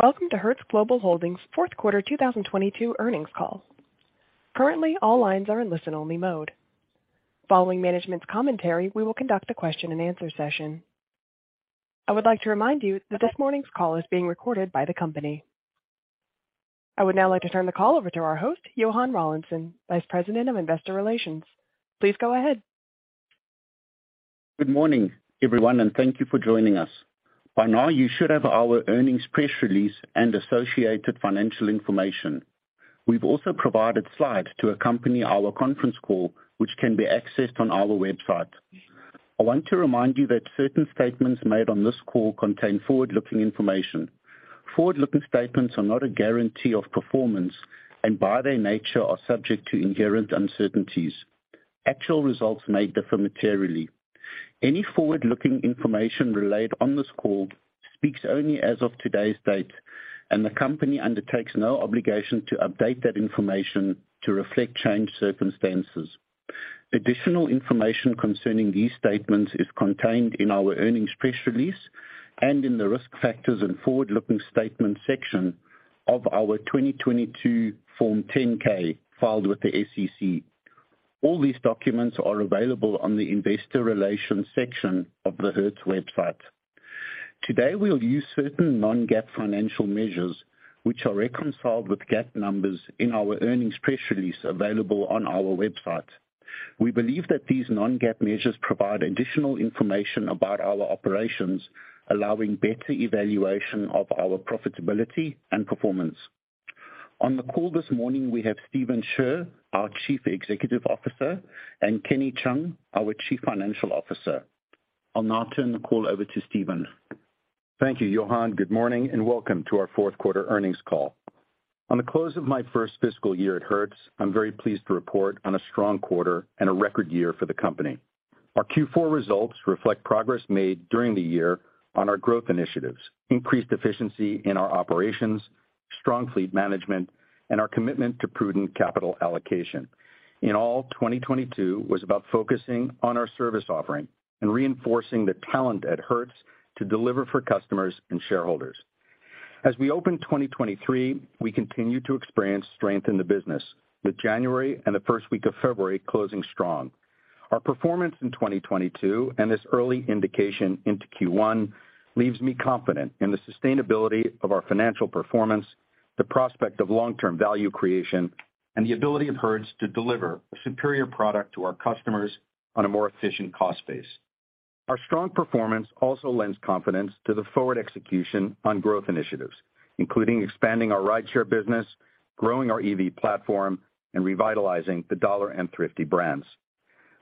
Welcome to Hertz Global Holdings Fourth Quarter 2022 Earnings call. Currently, all lines are in listen-only mode. Following management's commentary, we will conduct a question-and-answer session. I would like to remind you that this morning's call is being recorded by the company. I would now like to turn the call over to our host, Johann Rawlinson, Vice President of Investor Relations. Please go ahead. Good morning, everyone, and thank you for joining us. By now, you should have our earnings press release and associated financial information. We've also provided slides to accompany our conference call, which can be accessed on our website. I want to remind you that certain statements made on this call contain forward-looking information. Forward-looking statements are not a guarantee of performance, and by their nature are subject to inherent uncertainties. Actual results may differ materially. Any forward-looking information relayed on this call speaks only as of today's date, and the company undertakes no obligation to update that information to reflect changed circumstances. Additional information concerning these statements is contained in our earnings press release and in the Risk Factors and Forward-Looking Statements section of our 2022 Form 10-K filed with the SEC. All these documents are available on the Investor Relations section of the Hertz website. Today, we'll use certain non-GAAP financial measures which are reconciled with GAAP numbers in our earnings press release available on our website. We believe that these non-GAAP measures provide additional information about our operations, allowing better evaluation of our profitability and performance. On the call this morning, we have Stephen Scherr, our Chief Executive Officer, and Kenny Cheung, our Chief Financial Officer. I'll now turn the call over to Stephen. Thank you, Johann. Good morning, welcome to our fourth quarter earnings call. On the close of my first fiscal year at Hertz, I'm very pleased to report on a strong quarter and a record year for the company. Our Q4 results reflect progress made during the year on our growth initiatives, increased efficiency in our operations, strong fleet management, and our commitment to prudent capital allocation. In all, 2022 was about focusing on our service offering and reinforcing the talent at Hertz to deliver for customers and shareholders. As we open 2023, we continue to experience strength in the business, with January and the first week of February closing strong. Our performance in 2022 and this early indication into Q1 leaves me confident in the sustainability of our financial performance, the prospect of long-term value creation, and the ability of Hertz to deliver a superior product to our customers on a more efficient cost base. Our strong performance also lends confidence to the forward execution on growth initiatives, including expanding our rideshare business, growing our EV platform, and revitalizing the Dollar and Thrifty brands.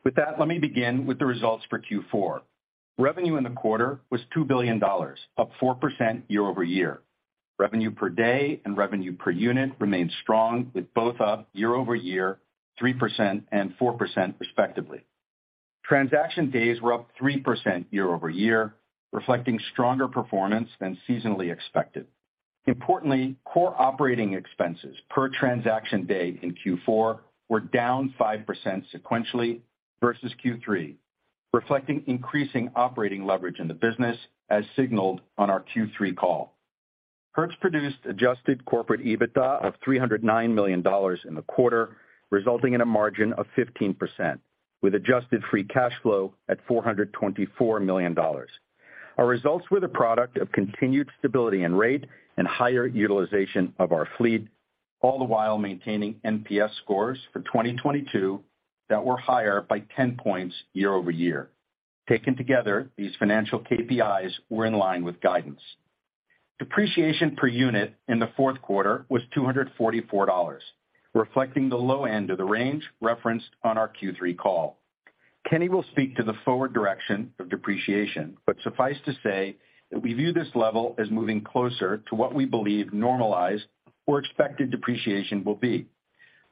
With that, let me begin with the results for Q4. Revenue in the quarter was $2 billion, up 4% year-over-year. Revenue Per Day and Revenue Per Unit remained strong, with both up year-over-year, 3% and 4% respectively. Transaction days were up 3% year-over-year, reflecting stronger performance than seasonally expected. Importantly, core operating expenses per transaction day in Q4 were down 5% sequentially versus Q3, reflecting increasing operating leverage in the business as signaled on our Q3 call. Hertz produced Adjusted Corporate EBITDA of $309 million in the quarter, resulting in a margin Adjusted Free Cash Flow at $424 million. Our results were the product of continued stability and rate and higher utilization of our fleet, all the while maintaining NPS scores for 2022 that were higher by 10 points year-over-year. Taken together, these financial KPIs were in line with guidance. Depreciation per unit in the fourth quarter was $244, reflecting the low end of the range referenced on our Q3 call. Kenny will speak to the forward direction of depreciation, but suffice to say that we view this level as moving closer to what we believe normalized or expected depreciation will be.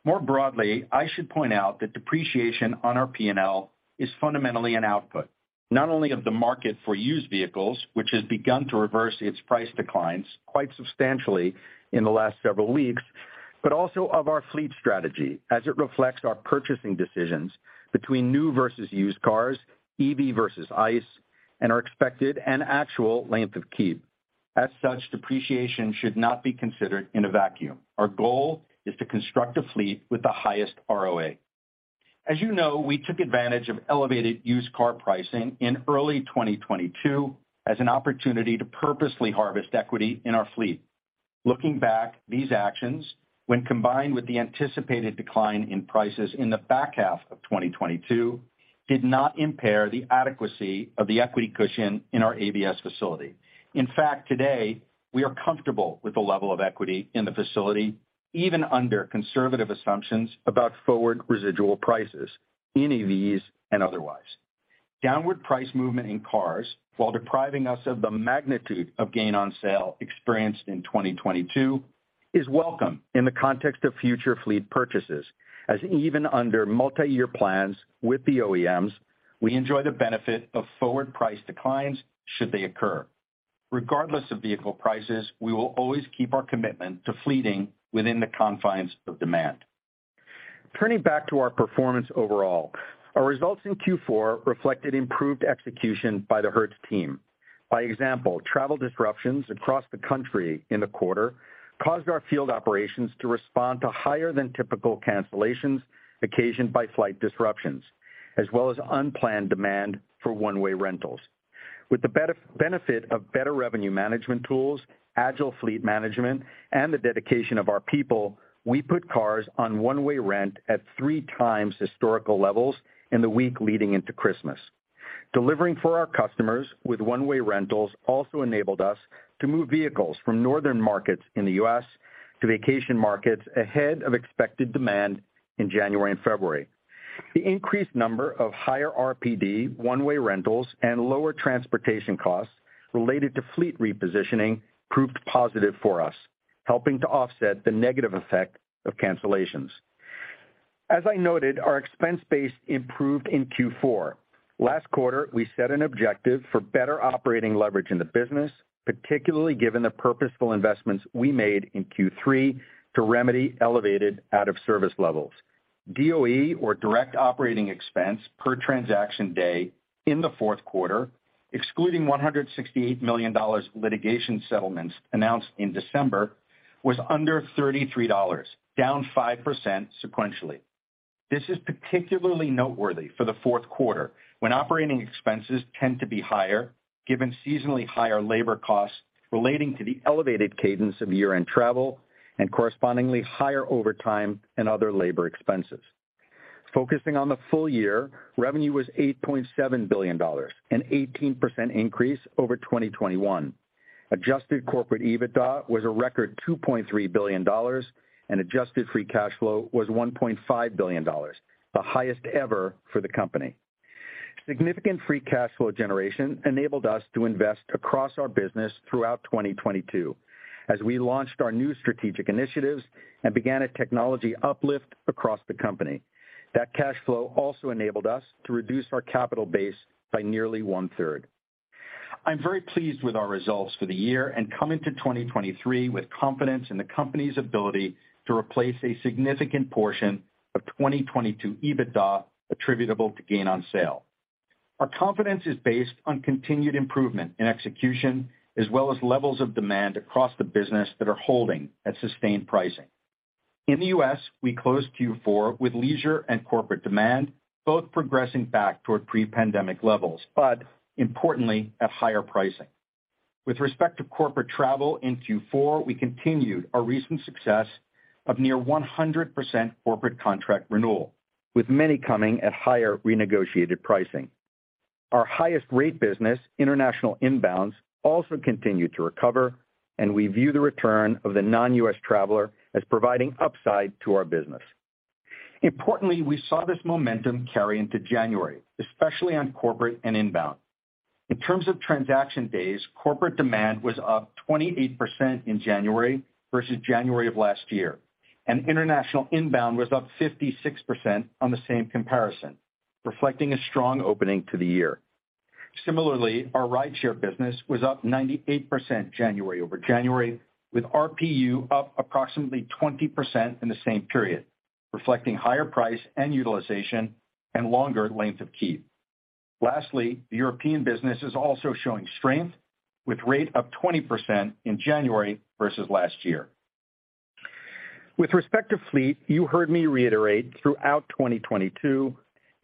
More broadly, I should point out that depreciation on our P&L is fundamentally an output, not only of the market for used vehicles, which has begun to reverse its price declines quite substantially in the last several weeks, but also of our fleet strategy as it reflects our purchasing decisions between new versus used cars, EV versus ICE, and our expected and actual length of keep. As such, depreciation should not be considered in a vacuum. Our goal is to construct a fleet with the highest ROA. As you know, we took advantage of elevated used car pricing in early 2022 as an opportunity to purposely harvest equity in our fleet. Looking back, these actions, when combined with the anticipated decline in prices in the back half of 2022, did not impair the adequacy of the equity cushion in our ABS facility. In fact, today, we are comfortable with the level of equity in the facility, even under conservative assumptions about forward residual prices in EVs and otherwise. Downward price movement in cars, while depriving us of the magnitude of gain on sale experienced in 2022, is welcome in the context of future fleet purchases, as even under multi-year plans with the OEMs, we enjoy the benefit of forward price declines should they occur. Regardless of vehicle prices, we will always keep our commitment to fleeting within the confines of demand. Turning back to our performance overall, our results in Q4 reflected improved execution by the Hertz team. By example, travel disruptions across the country in the quarter caused our field operations to respond to higher than typical cancellations occasioned by flight disruptions, as well as unplanned demand for one-way rentals. With the benefit of better revenue management tools, agile fleet management, and the dedication of our people, we put cars on one-way rent at three times historical levels in the week leading into Christmas. Delivering for our customers with one-way rentals also enabled us to move vehicles from northern markets in the U.S. to vacation markets ahead of expected demand in January and February. The increased number of higher RPD one-way rentals and lower transportation costs related to fleet repositioning proved positive for us, helping to offset the negative effect of cancellations. As I noted, our expense base improved in Q4. Last quarter, we set an objective for better operating leverage in the business, particularly given the purposeful investments we made in Q3 to remedy elevated out-of-service levels. DOE, or Direct Operating Expense, per transaction day in the fourth quarter, excluding $168 million litigation settlements announced in December, was under $33, down 5% sequentially. This is particularly noteworthy for the fourth quarter, when operating expenses tend to be higher given seasonally higher labor costs relating to the elevated cadence of year-end travel and correspondingly higher overtime and other labor expenses. Focusing on the full year, revenue was $8.7 billion, an 18% increase over 2021. Adjusted Corporate EBITDA was a record Adjusted Free Cash Flow was $1.5 billion, the highest ever for the company. Significant free cash flow generation enabled us to invest across our business throughout 2022 as we launched our new strategic initiatives and began a technology uplift across the company. That cash flow also enabled us to reduce our capital base by nearly one-third. I'm very pleased with our results for the year and come into 2023 with confidence in the company's ability to replace a significant portion of 2022 EBITDA attributable to gain on sale. Our confidence is based on continued improvement in execution, as well as levels of demand across the business that are holding at sustained pricing. In the U.S., we closed Q4 with leisure and corporate demand both progressing back toward pre-pandemic levels, but importantly, at higher pricing. With respect to corporate travel in Q4, we continued our recent success of near 100% corporate contract renewal, with many coming at higher renegotiated pricing. Our highest rate business, international inbounds, also continued to recover, and we view the return of the non-U.S. traveler as providing upside to our business. Importantly, we saw this momentum carry into January, especially on corporate and inbound. In terms of transaction days, corporate demand was up 28% in January versus January of last year, and international inbound was up 56% on the same comparison, reflecting a strong opening to the year. Similarly, our rideshare business was up 98% January over January, with RPU up approximately 20% in the same period, reflecting higher price and utilization and longer length of keep. The European business is also showing strength, with rate up 20% in January versus last year. With respect to fleet, you heard me reiterate throughout 2022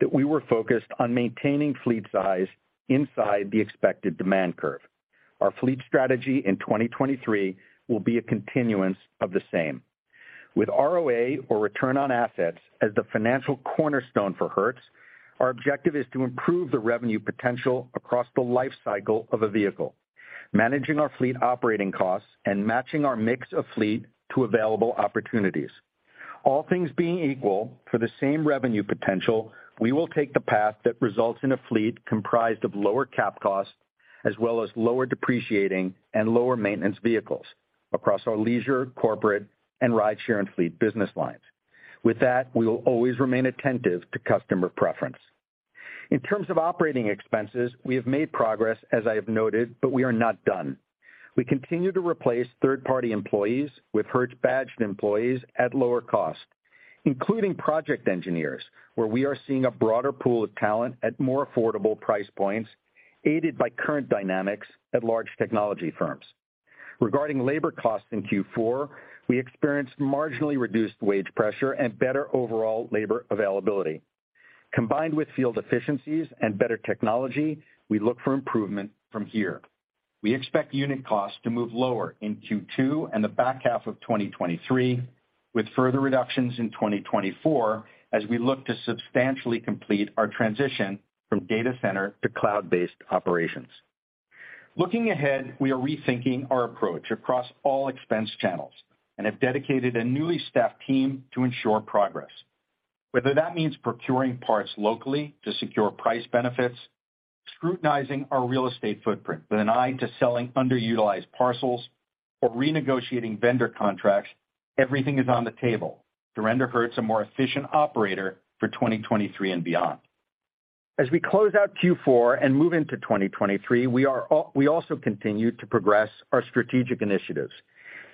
that we were focused on maintaining fleet size inside the expected demand curve. Our fleet strategy in 2023 will be a continuance of the same. With ROA, or Return on Assets, as the financial cornerstone for Hertz, our objective is to improve the revenue potential across the life cycle of a vehicle, managing our fleet operating costs and matching our mix of fleet to available opportunities. All things being equal, for the same revenue potential, we will take the path that results in a fleet comprised of lower cap costs as well as lower depreciating and lower maintenance vehicles across our leisure, corporate, and rideshare and fleet business lines. With that, we will always remain attentive to customer preference. In terms of operating expenses, we have made progress, as I have noted, but we are not done. We continue to replace third-party employees with Hertz-badged employees at lower cost, including project engineers, where we are seeing a broader pool of talent at more affordable price points, aided by current dynamics at large technology firms. Regarding labor costs in Q4, we experienced marginally reduced wage pressure and better overall labor availability. Combined with field efficiencies and better technology, we look for improvement from here. We expect unit costs to move lower in Q2 and the back half of 2023, with further reductions in 2024 as we look to substantially complete our transition from data center to cloud-based operations. Looking ahead, we are rethinking our approach across all expense channels and have dedicated a newly staffed team to ensure progress. Whether that means procuring parts locally to secure price benefits, scrutinizing our real estate footprint with an eye to selling underutilized parcels, or renegotiating vendor contracts, everything is on the table to render Hertz a more efficient operator for 2023 and beyond. We close out Q4 and move into 2023, we also continue to progress our strategic initiatives,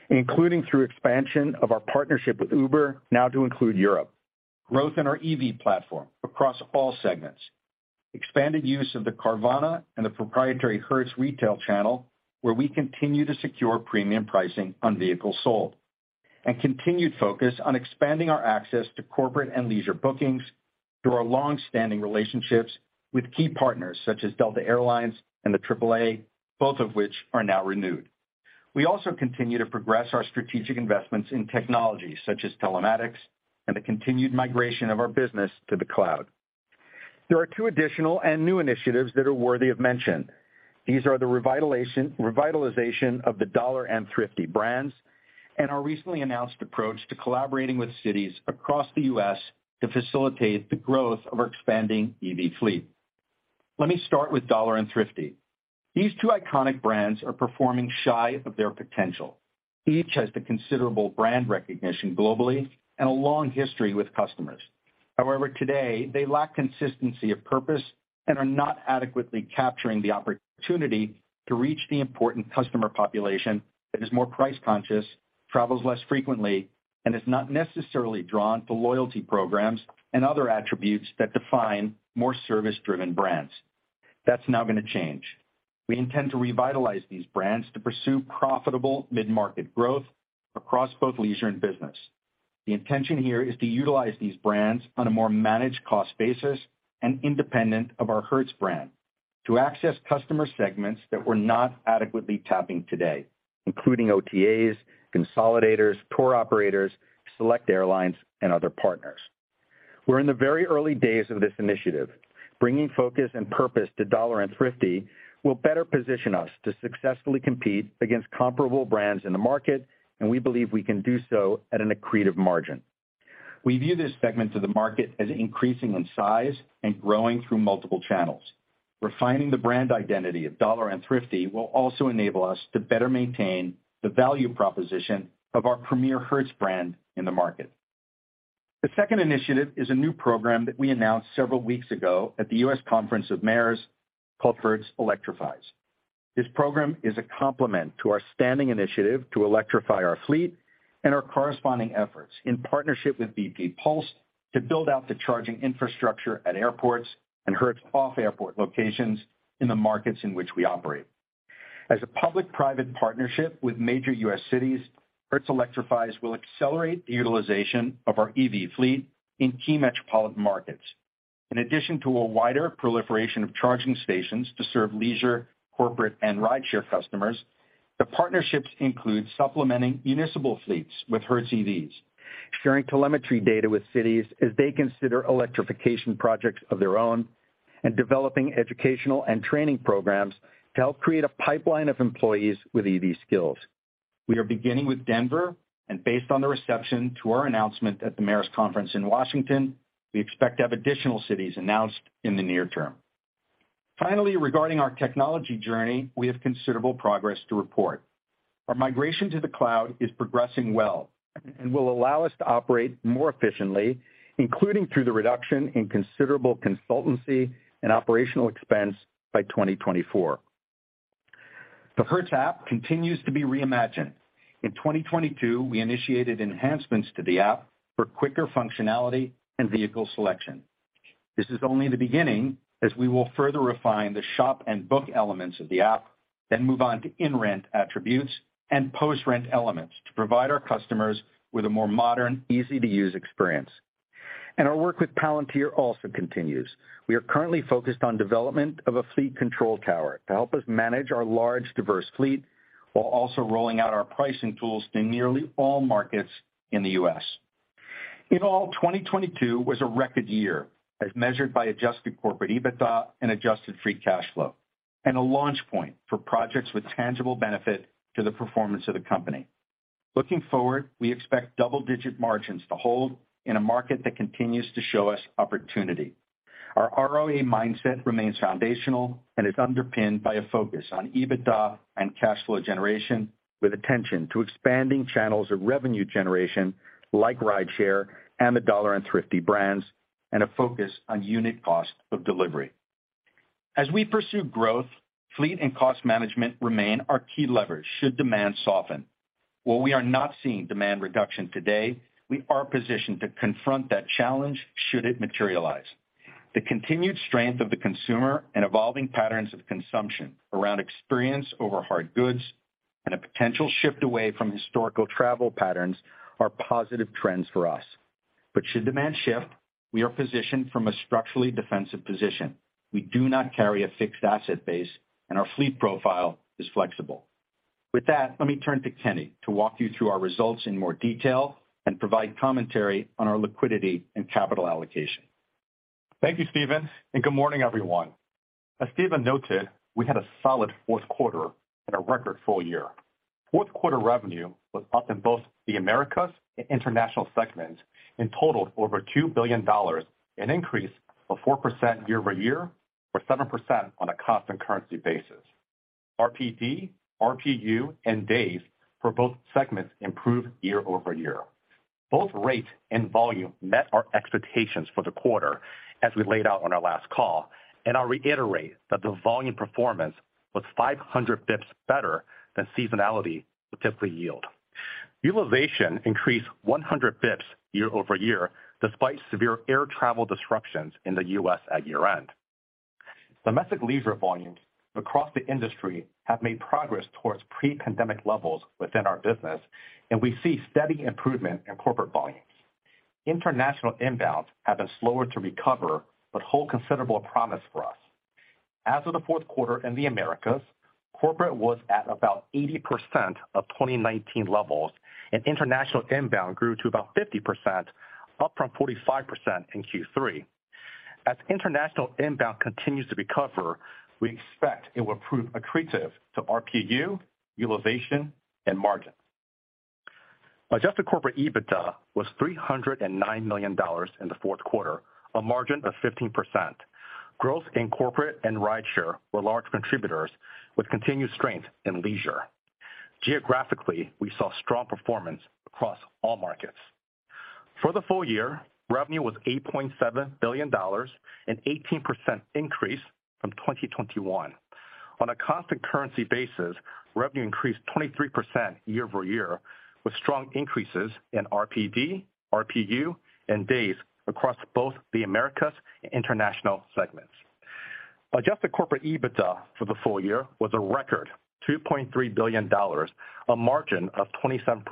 including through expansion of our partnership with Uber now to include Europe, growth in our EV platform across all segments, expanded use of the Carvana and the proprietary Hertz retail channel, where we continue to secure premium pricing on vehicles sold, and continued focus on expanding our access to corporate and leisure bookings through our long-standing relationships with key partners such as Delta Air Lines and the AAA, both of which are now renewed. We also continue to progress our strategic investments in technology such as telematics and the continued migration of our business to the cloud. There are two additional and new initiatives that are worthy of mention. These are the revitalization of the Dollar and Thrifty brands, and our recently announced approach to collaborating with cities across the U.S. to facilitate the growth of our expanding EV fleet. Let me start with Dollar and Thrifty. These two iconic brands are performing shy of their potential. Each has the considerable brand recognition globally and a long history with customers. Today, they lack consistency of purpose and are not adequately capturing the opportunity to reach the important customer population that is more price-conscious, travels less frequently, and is not necessarily drawn to loyalty programs and other attributes that define more service-driven brands. That's now gonna change. We intend to revitalize these brands to pursue profitable mid-market growth across both leisure and business. The intention here is to utilize these brands on a more managed cost basis and independent of our Hertz brand to access customer segments that we're not adequately tapping today, including OTAs, consolidators, tour operators, select airlines, and other partners. We're in the very early days of this initiative. Bringing focus and purpose to Dollar and Thrifty will better position us to successfully compete against comparable brands in the market, and we believe we can do so at an accretive margin. We view these segments of the market as increasing in size and growing through multiple channels. Refining the brand identity of Dollar and Thrifty will also enable us to better maintain the value proposition of our premier Hertz brand in the market. The second initiative is a new program that we announced several weeks ago at the U.S. Conference of Mayors called Hertz Electrifies. This program is a complement to our standing initiative to electrify our fleet and our corresponding efforts in partnership with bp pulse to build out the charging infrastructure at airports and Hertz off-airport locations in the markets in which we operate. As a public-private partnership with major U.S. cities, Hertz Electrifies will accelerate the utilization of our EV fleet in key metropolitan markets. In addition to a wider proliferation of charging stations to serve leisure, corporate, and rideshare customers, the partnerships include supplementing municipal fleets with Hertz EVs, sharing telemetry data with cities as they consider electrification projects of their own, and developing educational and training programs to help create a pipeline of employees with EV skills. We are beginning with Denver, and based on the reception to our announcement at the Mayors Conference in Washington, we expect to have additional cities announced in the near term. Finally, regarding our technology journey, we have considerable progress to report. Our migration to the cloud is progressing well and will allow us to operate more efficiently, including through the reduction in considerable consultancy and operational expense by 2024. The Hertz app continues to be reimagined. In 2022, we initiated enhancements to the app for quicker functionality and vehicle selection. This is only the beginning as we will further refine the shop and book elements of the app, then move on to in-rent attributes and post-rent elements to provide our customers with a more modern, easy-to-use experience. Our work with Palantir also continues. We are currently focused on development of a fleet control tower to help us manage our large, diverse fleet, while also rolling out our pricing tools in nearly all markets in the U.S. In all, 2022 was a record year, as measured Adjusted Free Cash Flow, a launch point for projects with tangible benefit to the performance of the company. Looking forward, we expect double-digit margins to hold in a market that continues to show us opportunity. Our ROA mindset remains foundational and is underpinned by a focus on EBITDA and cash flow generation, with attention to expanding channels of revenue generation like rideshare and the Dollar and Thrifty brands, and a focus on unit cost of delivery. As we pursue growth, fleet and cost management remain our key leverage should demand soften. While we are not seeing demand reduction today, we are positioned to confront that challenge should it materialize. The continued strength of the consumer and evolving patterns of consumption around experience over hard goods and a potential shift away from historical travel patterns are positive trends for us. Should demand shift, we are positioned from a structurally defensive position. We do not carry a fixed asset base, and our fleet profile is flexible. With that, let me turn to Kenny to walk you through our results in more detail and provide commentary on our liquidity and capital allocation. Thank you, Stephen. Good morning, everyone. As Stephen noted, we had a solid fourth quarter and a record full year. Fourth quarter revenue was up in both the Americas and International segments and totaled over $2 billion, an increase of 4% year-over-year, or 7% on a constant currency basis. RPD, RPU, and days for both segments improved year-over-year. Both rate and volume met our expectations for the quarter as we laid out on our last call. I'll reiterate that the volume performance was 500 basis points better than seasonality would typically yield. Utilization increased 100 basis points year-over-year despite severe air travel disruptions in the U.S. at year-end. Domestic leisure volumes across the industry have made progress towards pre-pandemic levels within our business. We see steady improvement in corporate volumes. International inbounds have been slower to recover, but hold considerable promise for us. As of the fourth quarter in the Americas, corporate was at about 80% of 2019 levels, and international inbound grew to about 50%, up from 45% in Q3. As international inbound continues to recover, we expect it will prove accretive to RPU, utilization, and margin. Adjusted Corporate EBITDA was $309 million in the fourth quarter, a margin of 15%. Growth in corporate and rideshare were large contributors with continued strength in leisure. Geographically, we saw strong performance across all markets. For the full year, revenue was $8.7 billion, an 18% increase from 2021. On a constant currency basis, revenue increased 23% year-over-year with strong increases in RPD, RPU, and days across both the Americas and international segments. Adjusted Corporate EBITDA for the full year was a record $2.3 billion, a margin of 27%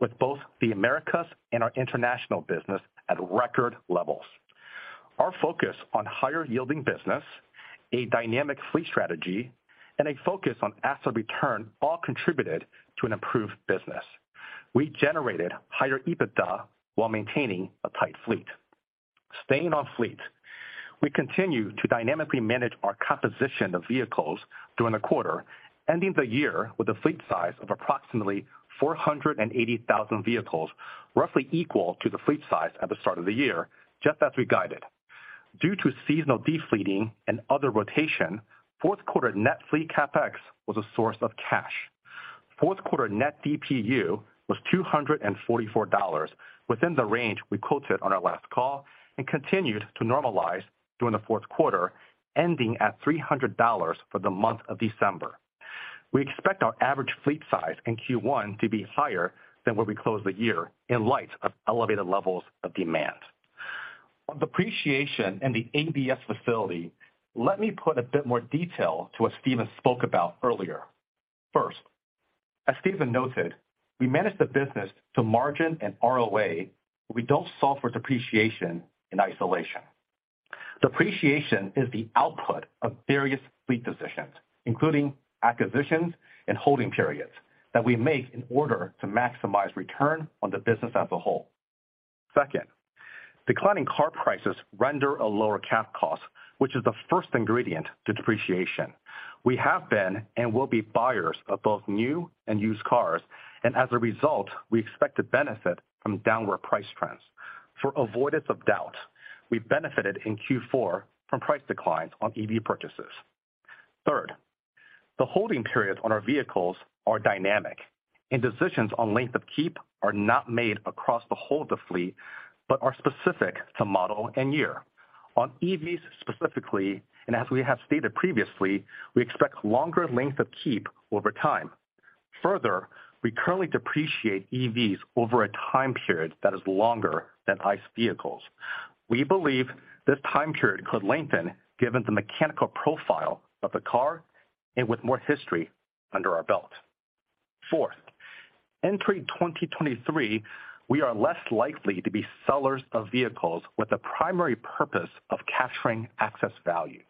with both the Americas and our international business at record levels. Our focus on higher-yielding business, a dynamic fleet strategy, and a focus on asset return all contributed to an improved business. We generated higher EBITDA while maintaining a tight fleet. Staying on fleet, we continue to dynamically manage our composition of vehicles during the quarter, ending the year with a fleet size of approximately 480,000 vehicles, roughly equal to the fleet size at the start of the year, just as we guided. Due to seasonal de-fleeting and other rotation, fourth quarter net fleet CapEx was a source of cash. Fourth quarter net DPU was $244 within the range we quoted on our last call and continued to normalize during the fourth quarter, ending at $300 for the month of December. We expect our average fleet size in Q1 to be higher than where we closed the year in light of elevated levels of demand. On depreciation in the ABS facility, let me put a bit more detail to what Stephen spoke about earlier. First, as Stephen noted, we manage the business to margin and ROA. We don't solve for depreciation in isolation. Depreciation is the output of various fleet decisions, including acquisitions and holding periods that we make in order to maximize return on the business as a whole. Second, declining car prices render a lower cap cost, which is the first ingredient to depreciation. We have been and will be buyers of both new and used cars, and as a result, we expect to benefit from downward price trends. For avoidance of doubt, we benefited in Q4 from price declines on EV purchases. Third, the holding periods on our vehicles are dynamic, and decisions on length of keep are not made across the whole of the fleet but are specific to model and year. On EVs specifically, and as we have stated previously, we expect longer length of keep over time. Further, we currently depreciate EVs over a time period that is longer than ICE vehicles. We believe this time period could lengthen given the mechanical profile of the car and with more history under our belt. Fourth, entry 2023, we are less likely to be sellers of vehicles with the primary purpose of capturing access value,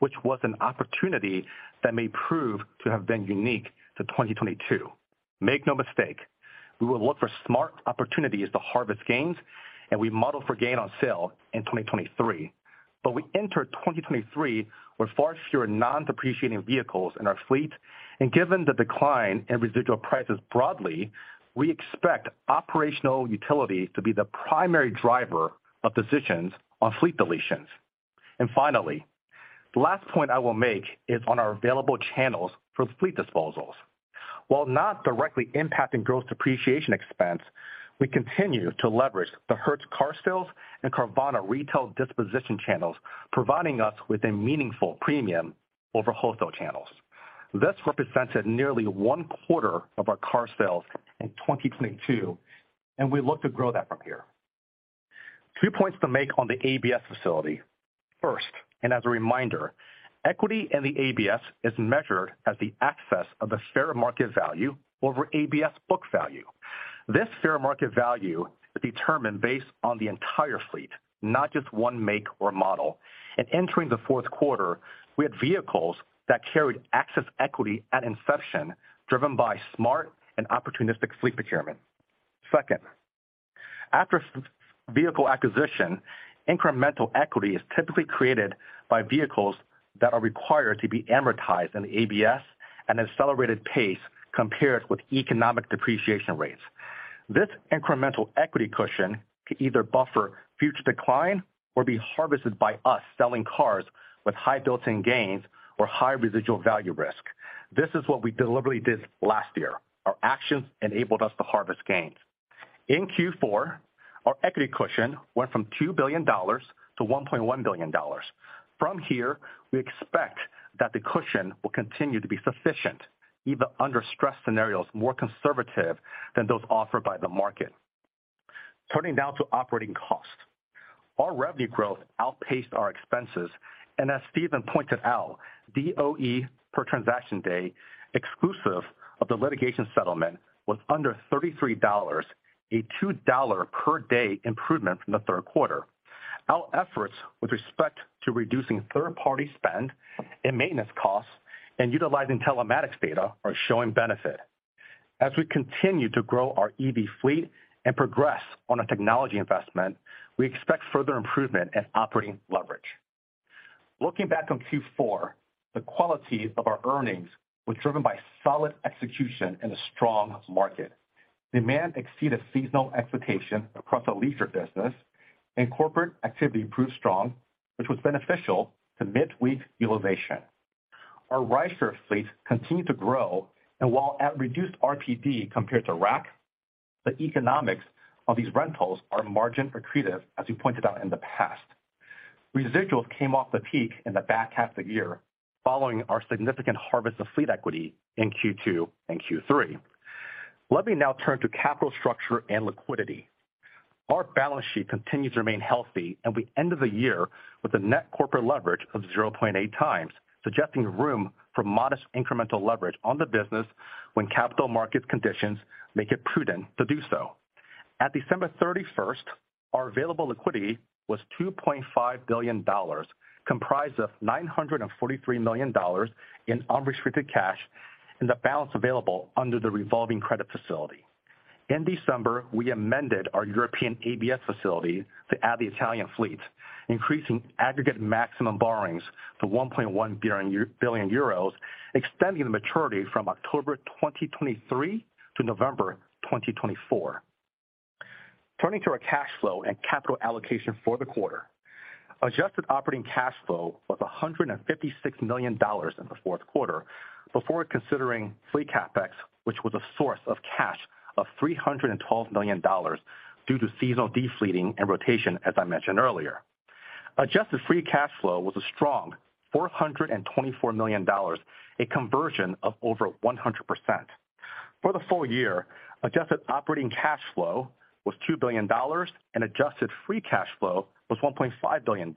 which was an opportunity that may prove to have been unique to 2022. Make no mistake, we will look for smart opportunities to harvest gains, and we model for gain on sale in 2023. We enter 2023 with far fewer non-depreciating vehicles in our fleet, and given the decline in residual prices broadly, we expect operational utility to be the primary driver of decisions on fleet deletions. Finally, the last point I will make is on our available channels for fleet disposals. While not directly impacting gross depreciation expense, we continue to leverage the Hertz Car Sales and Carvana retail disposition channels, providing us with a meaningful premium over wholesale channels. This represented nearly one-quarter of our car sales in 2022. We look to grow that from here. Two points to make on the ABS facility. First, as a reminder, equity in the ABS is measured as the access of the fair market value over ABS book value. This fair market value is determined based on the entire fleet, not just one make or model. In entering the fourth quarter, we had vehicles that carried excess equity at inception, driven by smart and opportunistic fleet procurement. Second, after vehicle acquisition, incremental equity is typically created by vehicles that are required to be amortized in the ABS at an accelerated pace compared with economic depreciation rates. This incremental equity cushion can either buffer future decline or be harvested by us selling cars with high built-in gains or high residual value risk. This is what we deliberately did last year. Our actions enabled us to harvest gains. In Q4, our equity cushion went from $2 billion to $1.1 billion. From here, we expect that the cushion will continue to be sufficient, even under stress scenarios more conservative than those offered by the market. Turning now to operating costs. Our revenue growth outpaced our expenses, and as Stephen pointed out, DOE per transaction day exclusive of the litigation settlement was under $33, a $2 per day improvement from the third quarter. Our efforts with respect to reducing third-party spend and maintenance costs and utilizing telematics data are showing benefit. As we continue to grow our EV fleet and progress on our technology investment, we expect further improvement in operating leverage. Looking back on Q4, the quality of our earnings was driven by solid execution in a strong market. Demand exceeded seasonal expectations across the leisure business and corporate activity proved strong, which was beneficial to mid-week utilization. Our rideshare fleet continued to grow, and while at reduced RPD compared to Rack, the economics of these rentals are margin accretive as we pointed out in the past. Residuals came off the peak in the back half of the year following our significant harvest of fleet equity in Q2 and Q3. Let me now turn to capital structure and liquidity. Our balance sheet continues to remain healthy and we ended the year with a net corporate leverage of 0.8 times, suggesting room for modest incremental leverage on the business when capital market conditions make it prudent to do so. At December 31st, our available liquidity was $2.5 billion, comprised of $943 million in unrestricted cash and the balance available under the revolving credit facility. In December, we amended our European ABS facility to add the Italian fleet, increasing aggregate maximum borrowings to 1.1 billion euros, extending the maturity from October 2023 to November 2024. Turning to our cash flow and capital allocation for the quarter. Adjusted Operating Cash Flow was $156 million in the fourth quarter before considering fleet CapEx, which was a source of cash of $312 million due to seasonal defleeting and rotation, as I mentioned earlier. Adjusted Free Cash Flow was a strong $424 million, a conversion of over 100%. For the full year, Adjusted Operating Cash Flow was Adjusted Free Cash Flow was $1.5 billion.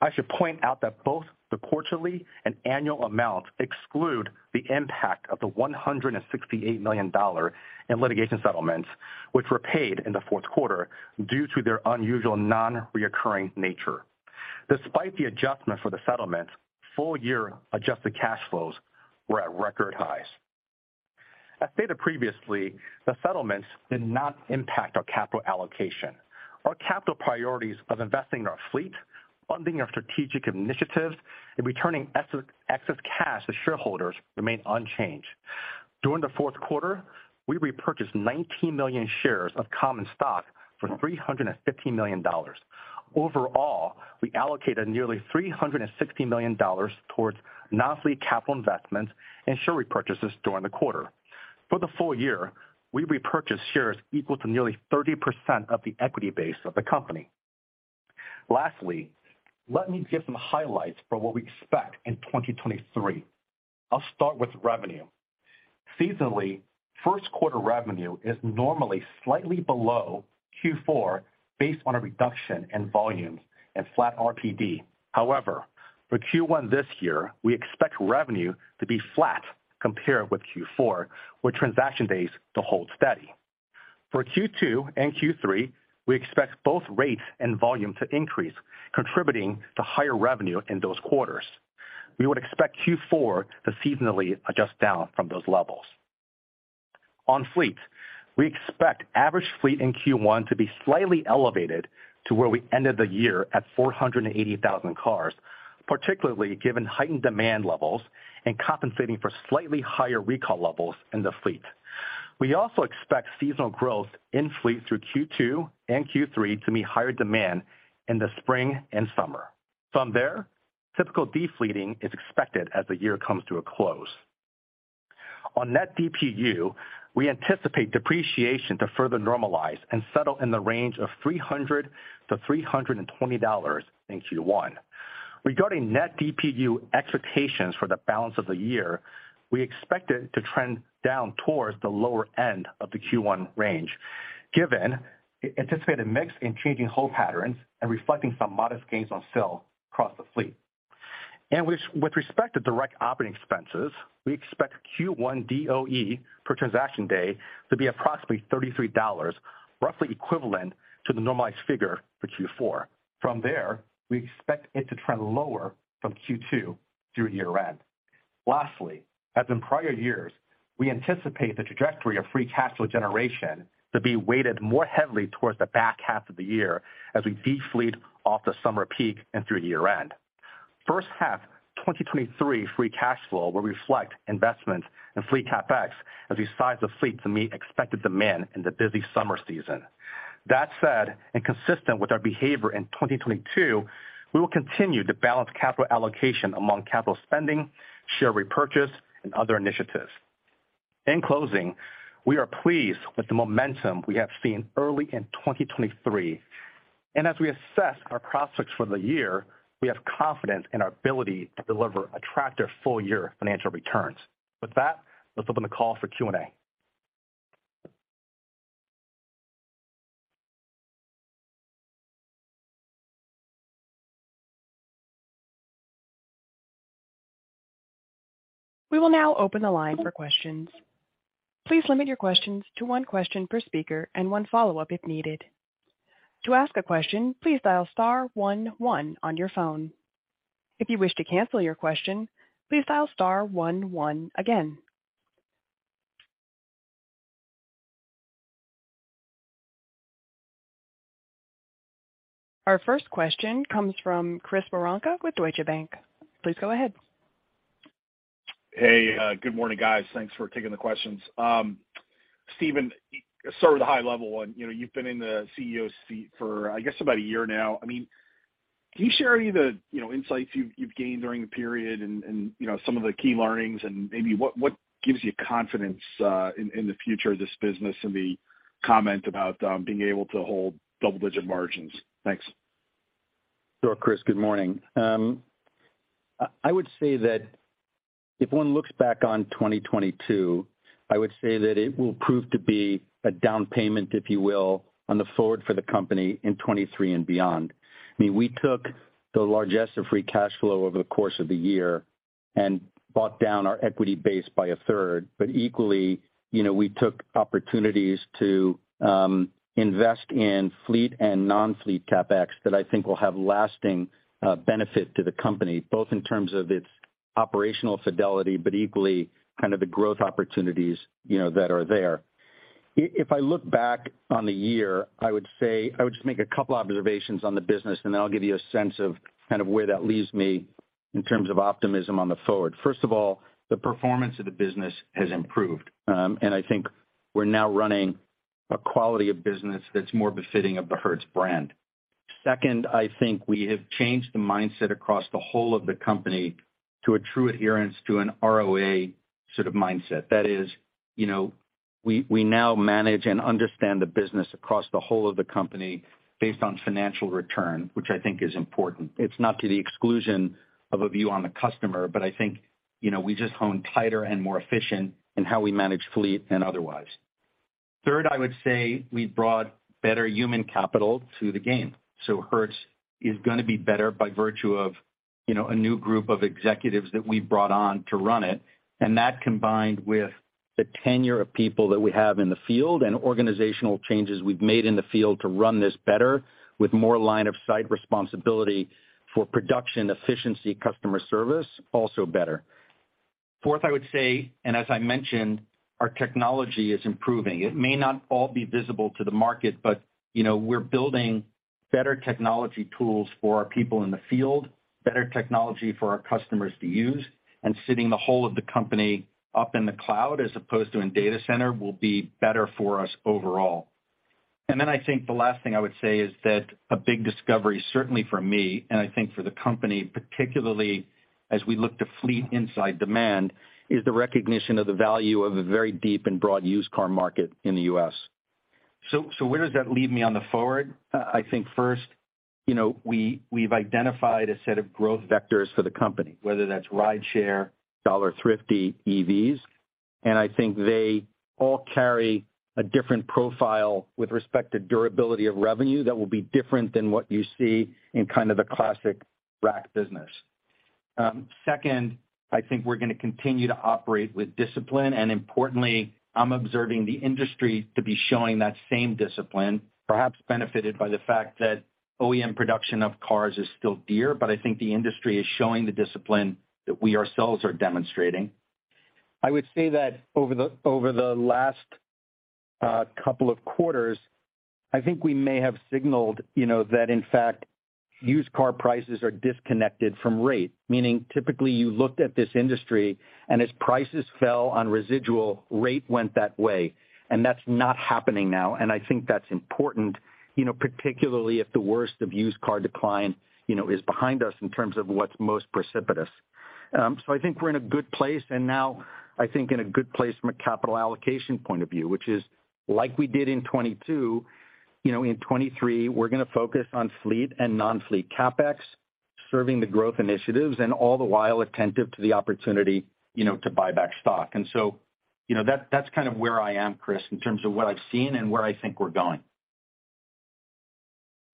I should point out that both the quarterly and annual amounts exclude the impact of the $168 million in litigation settlements, which were paid in the fourth quarter due to their unusual non-recurring nature. Despite the adjustment for the settlements, full year adjusted cash flows were at record highs. As stated previously, the settlements did not impact our capital allocation. Our capital priorities of investing in our fleet, funding our strategic initiatives, and returning excess cash to shareholders remained unchanged. During the fourth quarter, we repurchased 19 million shares of common stock for $350 million. Overall, we allocated nearly $360 million towards non-fleet capital investments and share repurchases during the quarter. For the full year, we repurchased shares equal to nearly 30% of the equity base of the company. Lastly, let me give some highlights for what we expect in 2023. I'll start with revenue. Seasonally, first quarter revenue is normally slightly below Q4 based on a reduction in volumes and flat RPD. However, for Q1 this year, we expect revenue to be flat compared with Q4, with transaction days to hold steady. For Q2 and Q3, we expect both rates and volume to increase, contributing to higher revenue in those quarters. We would expect Q4 to seasonally adjust down from those levels. On fleet, we expect average fleet in Q1 to be slightly elevated to where we ended the year at 480,000 cars, particularly given heightened demand levels and compensating for slightly higher recall levels in the fleet. We also expect seasonal growth in fleet through Q2 and Q3 to meet higher demand in the spring and summer. From there, typical defleeting is expected as the year comes to a close. On net DPU, we anticipate depreciation to further normalize and settle in the range of $300-$320 in Q1. Regarding net DPU expectations for the balance of the year, we expect it to trend down towards the lower end of the Q1 range, given the anticipated mix in changing whole patterns and reflecting some modest gains on sale across the fleet. With respect to Direct Operating Expenses, we expect Q1 DOE per transaction day to be approximately $33, roughly equivalent to the normalized figure for Q4. From there, we expect it to trend lower from Q2 through year-end. Lastly, as in prior years, we anticipate the trajectory of free cash flow generation to be weighted more heavily towards the back half of the year as we defleet off the summer peak and through year-end. First half 2023 free cash flow will reflect investments in fleet CapEx as we size the fleet to meet expected demand in the busy summer season. That said, consistent with our behavior in 2022, we will continue to balance capital allocation among capital spending, share repurchase, and other initiatives. In closing, we are pleased with the momentum we have seen early in 2023. As we assess our prospects for the year, we have confidence in our ability to deliver attractive full year financial returns. With that, let's open the call for Q&A. We will now open the line for questions. Please limit your questions to one question per speaker and one follow-up if needed. To ask a question, please dial star one one on your phone. If you wish to cancel your question, please dial star one one again. Our first question comes from Chris Woronka with Deutsche Bank. Please go ahead. Hey, good morning, guys. Thanks for taking the questions. Stephen, sort of the high-level one. You know, you've been in the CEO seat for, I guess, about a year now. I mean, can you share any of the, you know, insights you've gained during the period and, you know, some of the key learnings and maybe what gives you confidence in the future of this business and the comment about being able to hold double-digit margins? Thanks. Sure, Chris. Good morning. I would say that if one looks back on 2022, I would say that it will prove to be a down payment, if you will, on the forward for the company in 2023 and beyond. I mean, we took the largest of free cash flow over the course of the year and bought down our equity base by a third. Equally, you know, we took opportunities to invest in fleet and non-fleet CapEx that I think will have lasting benefit to the company, both in terms of its operational fidelity, but equally kind of the growth opportunities, you know, that are there. If I look back on the year, I would say. I would just make a couple observations on the business, and then I'll give you a sense of kind of where that leaves me in terms of optimism on the forward. First of all, the performance of the business has improved, and I think we're now running a quality of business that's more befitting of the Hertz brand. Second, I think we have changed the mindset across the whole of the company to a true adherence to an ROA sort of mindset. That is, you know, we now manage and understand the business across the whole of the company based on financial return, which I think is important. It's not to the exclusion of a view on the customer, but I think, you know, we just hone tighter and more efficient in how we manage fleet and otherwise. Third, I would say we brought better human capital to the game. Hertz is gonna be better by virtue of, you know, a new group of executives that we brought on to run it. That combined with the tenure of people that we have in the field and organizational changes we've made in the field to run this better with more line of sight responsibility for production efficiency customer service, also better. Fourth, I would say, as I mentioned, our technology is improving. It may not all be visible to the market, but, you know, we're building better technology tools for our people in the field, better technology for our customers to use, and sitting the whole of the company up in the cloud as opposed to in data center will be better for us overall. I think the last thing I would say is that a big discovery, certainly for me and I think for the company, particularly as we look to fleet inside demand, is the recognition of the value of a very deep and broad used car market in the U.S. Where does that leave me on the forward? I think first, you know, we've identified a set of growth vectors for the company, whether that's Rideshare, Dollar, Thrifty, EVs, and I think they all carry a different profile with respect to durability of revenue that will be different than what you see in kind of the classic Rack business. Second, I think we're gonna continue to operate with discipline. Importantly, I'm observing the industry to be showing that same discipline, perhaps benefited by the fact that OEM production of cars is still dear, but I think the industry is showing the discipline that we ourselves are demonstrating. I would say that over the last couple of quarters, I think we may have signaled, you know, that in fact, used car prices are disconnected from rate. Meaning, typically you looked at this industry, and as prices fell on residual, rate went that way, and that's not happening now. I think that's important, you know, particularly if the worst of used car decline, you know, is behind us in terms of what's most precipitous. So I think we're in a good place, and now I think in a good place from a capital allocation point of view, which is like we did in 2022, you know, in 2023, we're gonna focus on fleet and non-fleet CapEx, serving the growth initiatives, and all the while attentive to the opportunity, you know, to buy back stock. So, you know, that's kind of where I am, Chris, in terms of what I've seen and where I think we're going.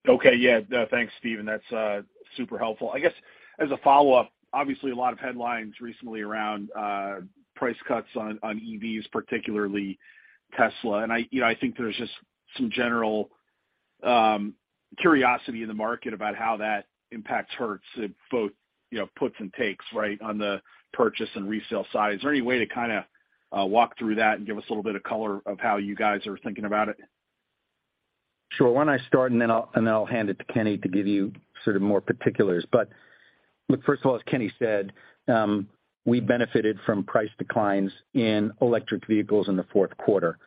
Okay. Yeah. No, thanks, Stephen. That's super helpful. I guess as a follow-up, obviously a lot of headlines recently around price cuts on EVs, particularly Tesla. I, you know, I think there's just some general curiosity in the market about how that impacts Hertz in both, you know, puts and takes, right, on the purchase and resale side. Is there any way to kinda walk through that and give us a little bit of color of how you guys are thinking about it? Sure. Why don't I start, and then I'll, and then I'll hand it to Kenny to give you sort of more particulars. Look, first of all, as Kenny said, we benefited from price declines in electric vehicles in the fourth quarter,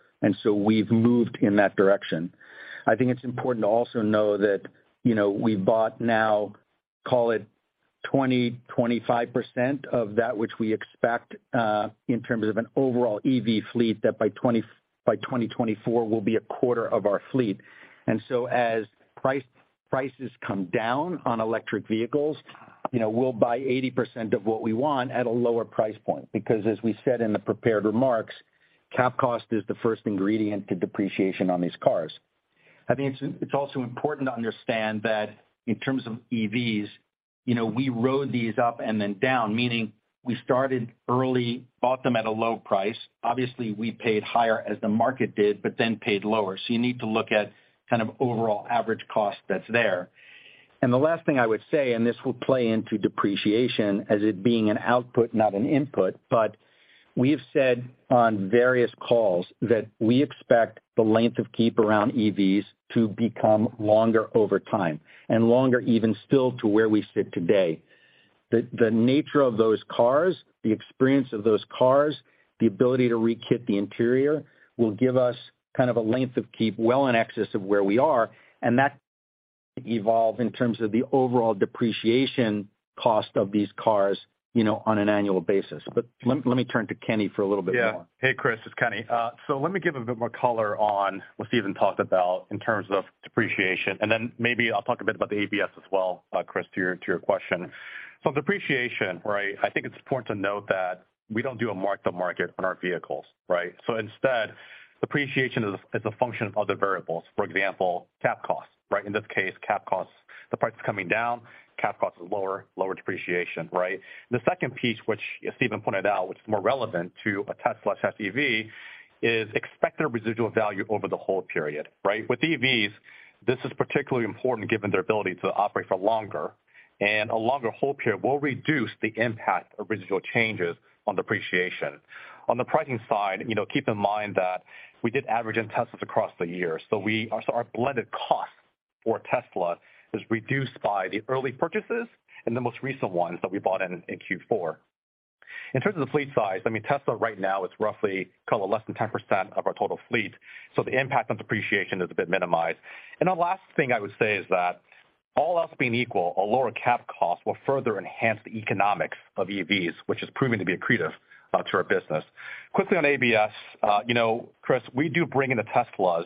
we've moved in that direction. I think it's important to also know that, you know, we bought now, call it 20%-25% of that which we expect in terms of an overall EV fleet that by 2024 will be a quarter of our fleet. As prices come down on electric vehicles, you know, we'll buy 80% of what we want at a lower price point because as we said in the prepared remarks, capitalized cost is the first ingredient to depreciation on these cars. I think it's also important to understand that in terms of EVs, you know, we rode these up and then down, meaning we started early, bought them at a low price. Obviously, we paid higher as the market did, but then paid lower. You need to look at kind of overall average cost that's there. The last thing I would say, and this will play into depreciation as it being an output, not an input, but we have said on various calls that we expect the length of keep around EVs to become longer over time and longer even still to where we sit today. The nature of those cars, the experience of those cars, the ability to re-kit the interior will give us kind of a length of keep well in excess of where we are. That evolved in terms of the overall depreciation cost of these cars, you know, on an annual basis. Let me turn to Kenny for a little bit more. Hey, Chris, it's Kenny. Let me give a bit more color on what Stephen talked about in terms of depreciation, and then maybe I'll talk a bit about the ABS as well, Chris, to your question. Depreciation, right? I think it's important to note that we don't do a mark to market on our vehicles, right? Instead, depreciation is a function of other variables. For example, cap cost, right? In this case, cap costs, the price is coming down, cap cost is lower depreciation, right? The second piece, which Stephen pointed out, which is more relevant to a Tesla/EV, is expected residual value over the hold period, right? With EVs, this is particularly important given their ability to operate for longer. A longer hold period will reduce the impact of residual changes on depreciation. On the pricing side, you know, keep in mind that we did average in Teslas across the year. Our blended cost for Tesla is reduced by the early purchases and the most recent ones that we bought in Q4. In terms of the fleet size, I mean, Tesla right now is roughly call it less than 10% of our total fleet. The impact on depreciation is a bit minimized. The last thing I would say is that all else being equal, a lower cap cost will further enhance the economics of EVs, which is proving to be accretive to our business. Quickly on ABS. You know, Chris, we do bring in the Teslas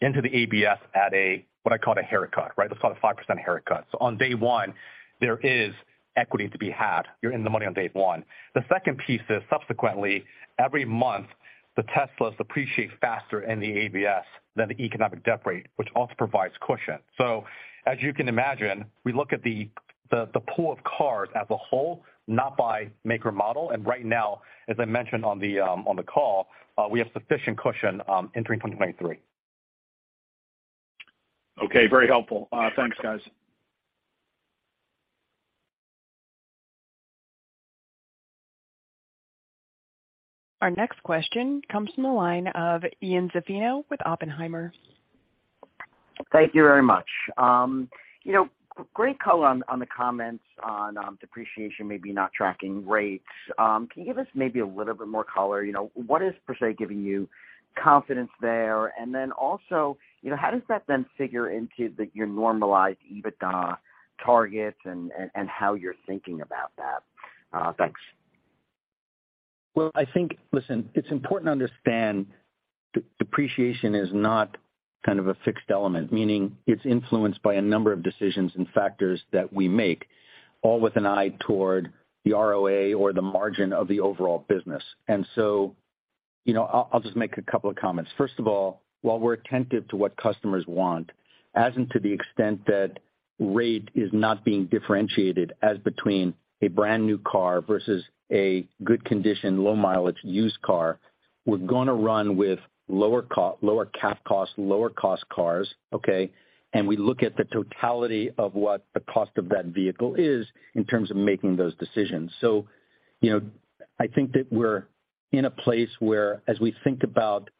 into the ABS at a, what I call a haircut, right? That's about a 5% haircut. On day one, there is equity to be had. You're in the money on day one. The second piece is subsequently every month, the Tesla depreciate faster in the ABS than the economic debt rate, which also provides cushion. As you can imagine, we look at the pool of cars as a whole, not by make or model. Right now, as I mentioned on the call, we have sufficient cushion entering 2023. Okay, very helpful. Thanks, guys. Our next question comes from the line of Ian Zaffino with Oppenheimer. Thank you very much. You know, great color on the comments on depreciation maybe not tracking rates. Can you give us maybe a little bit more color? You know, what is per se giving you confidence there? Also, you know, how does that then figure into your normalized EBITDA targets and how you're thinking about that? Thanks. Well, I think. Listen, it's important to understand depreciation is not kind of a fixed element, meaning it's influenced by a number of decisions and factors that we make, all with an eye toward the ROA or the margin of the overall business. You know, I'll just make a couple of comments. First of all, while we're attentive to what customers want, as in to the extent that rate is not being differentiated as between a brand-new car versus a good condition, low mileage used car, we're gonna run with lower cap costs, lower cost cars, okay. We look at the totality of what the cost of that vehicle is in terms of making those decisions. You know, I think that we're in a place where as we think about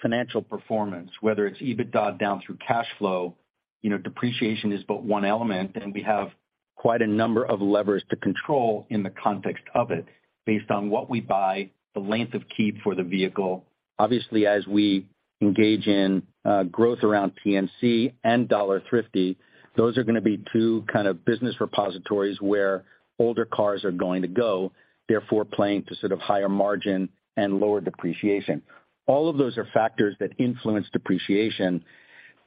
financial performance, whether it's EBITDA down through cash flow, you know, depreciation is but one element, and we have quite a number of levers to control in the context of it based on what we buy, the length of keep for the vehicle. Obviously, as we engage in growth around PNC and Dollar and Thrifty, those are gonna be two kind of business repositories where older cars are going to go, therefore playing to sort of higher margin and lower depreciation. All of those are factors that influence depreciation.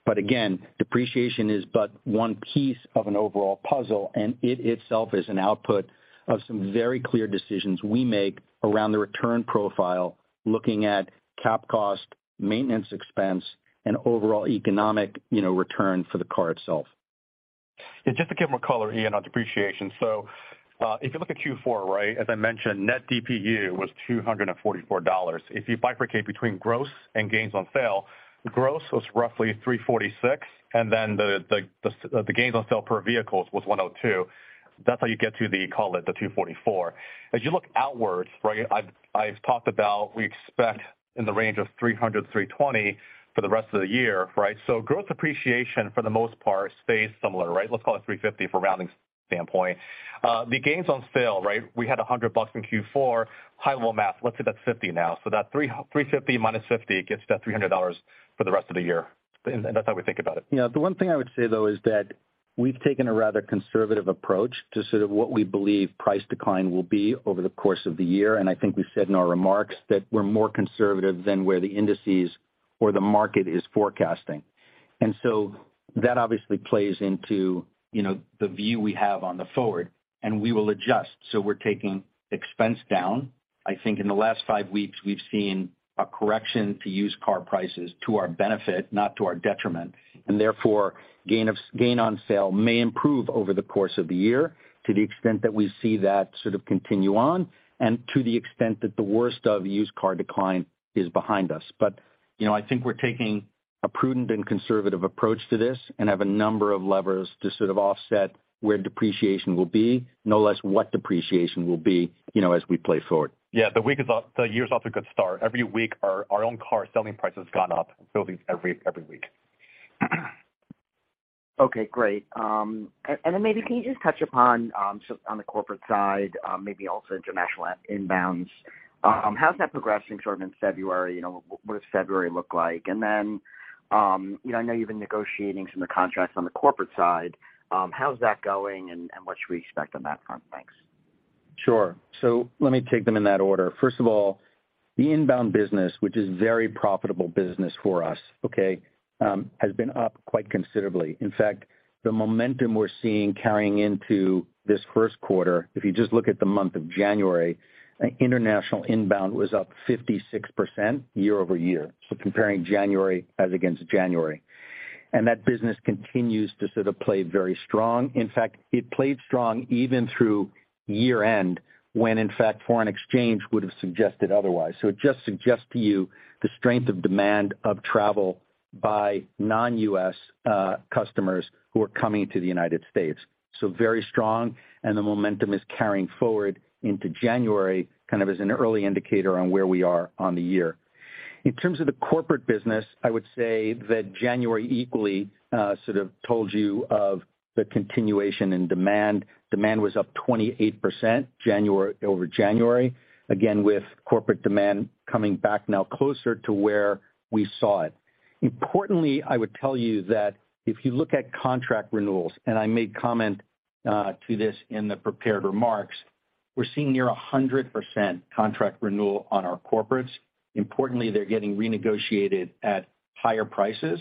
Again, depreciation is but one piece of an overall puzzle, and it itself is an output of some very clear decisions we make around the return profile, looking at capitalized cost, maintenance expense, and overall economic, you know, return for the car itself. Yeah, just to give more color, Ian, on depreciation. If you look at Q4, right, as I mentioned, net DPU was $244. If you bifurcate between gross and gains on sale, gross was roughly $346, and then the gains on sale per vehicles was $102. That's how you get to the, call it, the $244. As you look outwards, right? I've talked about in the range of $300-$320 for the rest of the year, right? Growth appreciation for the most part stays similar, right? Let's call it $350 for rounding standpoint. The gains on sale, right? We had $100 in Q4, high low math, let's say that's $50 now. That $350 minus $50 gets to $300 for the rest of the year. That's how we think about it. Yeah. The one thing I would say, though, is that we've taken a rather conservative approach to sort of what we believe price decline will be over the course of the year. I think we said in our remarks that we're more conservative than where the indices or the market is forecasting. That obviously plays into, you know, the view we have on the forward, and we will adjust. We're taking expense down. I think in the last five weeks, we've seen a correction to used car prices to our benefit, not to our detriment, and therefore gain on sale may improve over the course of the year to the extent that we see that sort of continue on and to the extent that the worst of used car decline is behind us. You know, I think we're taking a prudent and conservative approach to this and have a number of levers to sort of offset where depreciation will be, no less what depreciation will be, you know, as we play forward. Yeah. The year's off to a good start. Every week, our own car selling price has gone up, so every week. Okay, great. Maybe can you just touch upon, so on the corporate side, maybe also international inbounds? How's that progressing sort of in February? You know, what does February look like? You know, I know you've been negotiating some of the contracts on the corporate side. How's that going and what should we expect on that front? Thanks. Sure. Let me take them in that order. First of all, the inbound business, which is very profitable business for us, okay, has been up quite considerably. In fact, the momentum we're seeing carrying into this first quarter, if you just look at the month of January, international inbound was up 56% year-over-year. Comparing January as against January. That business continues to sort of play very strong. In fact, it played strong even through year-end, when in fact foreign exchange would have suggested otherwise. It just suggests to you the strength of demand of travel by non-U.S. customers who are coming to the United States. Very strong, and the momentum is carrying forward into January, kind of as an early indicator on where we are on the year. In terms of the corporate business, I would say that January equally, sort of told you of the continuation in demand. Demand was up 28% over January, again, with corporate demand coming back now closer to where we saw it. Importantly, I would tell you that if you look at contract renewals, and I made comment to this in the prepared remarks, we're seeing near 100% contract renewal on our corporates. Importantly, they're getting renegotiated at higher prices.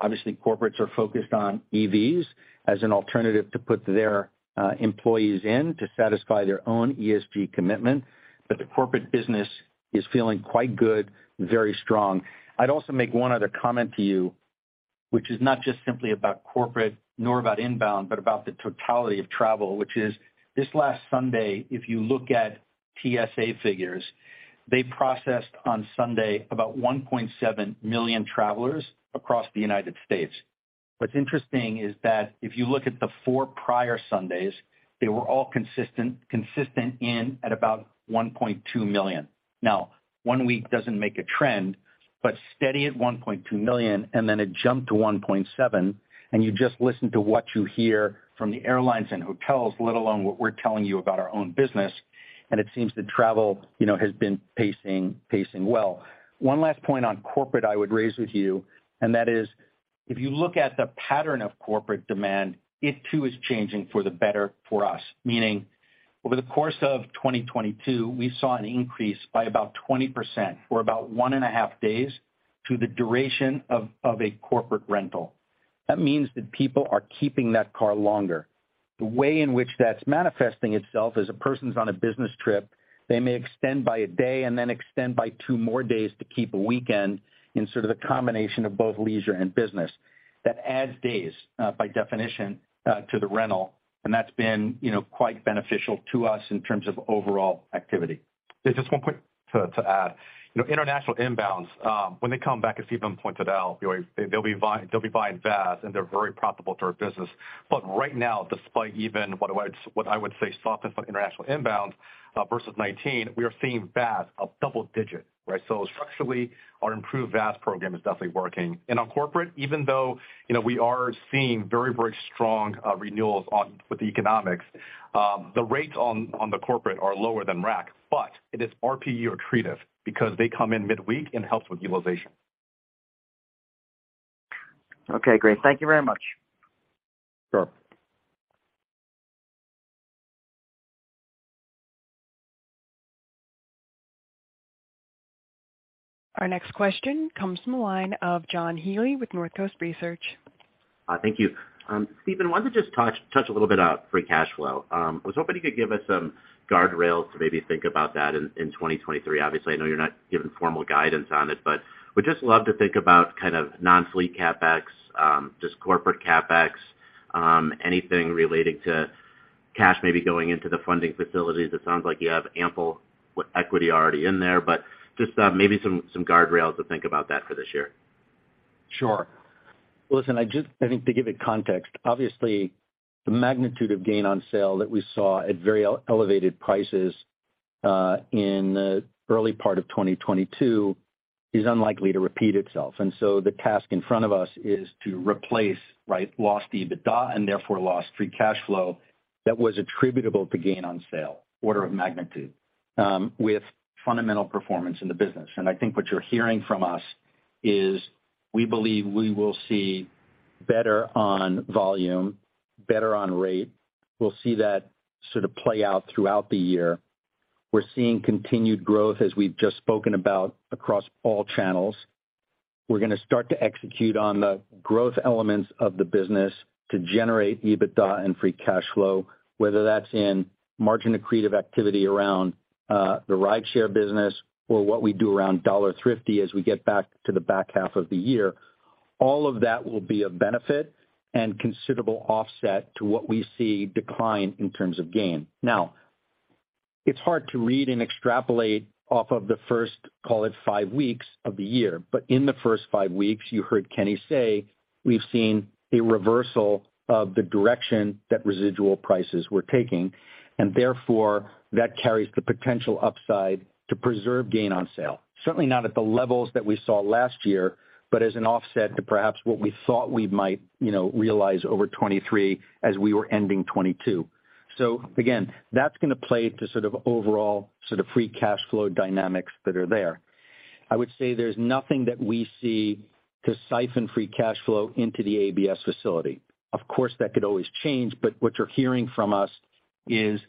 Obviously, corporates are focused on EVs as an alternative to put their employees in to satisfy their own ESG commitment. The corporate business is feeling quite good, very strong. I'd also make one other comment to you, which is not just simply about corporate nor about inbound, but about the totality of travel, which is this last Sunday, if you look at TSA figures, they processed on Sunday about 1.7 million travelers across the United States. What's interesting is that if you look at the four prior Sundays, they were all consistent in at about 1.2 million. Now, one week doesn't make a trend, but steady at 1.2 million, then it jumped to 1.7. You just listen to what you hear from the airlines and hotels, let alone what we're telling you about our own business, and it seems that travel, you know, has been pacing well. One last point on corporate I would raise with you, and that is if you look at the pattern of corporate demand, it too is changing for the better for us. Meaning over the course of 2022, we saw an increase by about 20% or about 1.5 Days to the duration of a corporate rental. That means that people are keeping that car longer. The way in which that's manifesting itself is a person's on a business trip, they may extend by a day and then extend by two more days to keep a weekend in sort of a combination of both leisure and business. That adds days by definition to the rental, and that's been, you know, quite beneficial to us in terms of overall activity. Just one point to add. You know, international inbounds, when they come back, as Stephen pointed out, they'll be buying VaaS, and they're very profitable to our business. Right now, despite even what I would say softer for international inbounds, versus 2019, we are seeing VaaS up double digit, right? Structurally, our improved VaaS program is definitely working. On corporate, even though, you know, we are seeing very, very strong renewals with the economics, the rates on the corporate are lower than rack, but it is RPU accretive because they come in midweek and helps with utilization. Okay, great. Thank you very much. Sure. Our next question comes from the line of John Healy with Northcoast Research. Thank you. Stephen, wanted to just touch a little bit on free cash flow. I was hoping you could give us some guardrails to maybe think about that in 2023. Obviously, I know you're not giving formal guidance on it, but would just love to think about kind of non-fleet CapEx, just corporate CapEx, anything relating to cash maybe going into the funding facilities. It sounds like you have ample equity already in there, but just, maybe some guardrails to think about that for this year. Sure. Listen, I think to give it context, obviously the magnitude of gain on sale that we saw at very elevated prices, in early part of 2022 is unlikely to repeat itself. The task in front of us is to replace, right, lost EBITDA, and therefore lost free cash flow that was attributable to gain on sale, order of magnitude, with fundamental performance in the business. I think what you're hearing from us is we believe we will see better on volume, better on rate. We'll see that sort of play out throughout the year. We're seeing continued growth as we've just spoken about across all channels. We're gonna start to execute on the growth elements of the business to generate EBITDA and free cash flow, whether that's in margin accretive activity around the rideshare business or what we do around Dollar Thrifty as we get back to the back half of the year. All of that will be a benefit and considerable offset to what we see decline in terms of gain. It's hard to read and extrapolate off of the first, call it five weeks of the year. In the first five weeks, you heard Kenny say, we've seen a reversal of the direction that residual prices were taking, and therefore that carries the potential upside to preserve gain on sale. Certainly not at the levels that we saw last year, but as an offset to perhaps what we thought we might, you know, realize over 2023 as we were ending 2022. Again, that's going to play to sort of overall sort of free cash flow dynamics that are there. I would say there's nothing that we see to siphon free cash flow into the ABS facility. Of course, that could always change, but what you're hearing from us is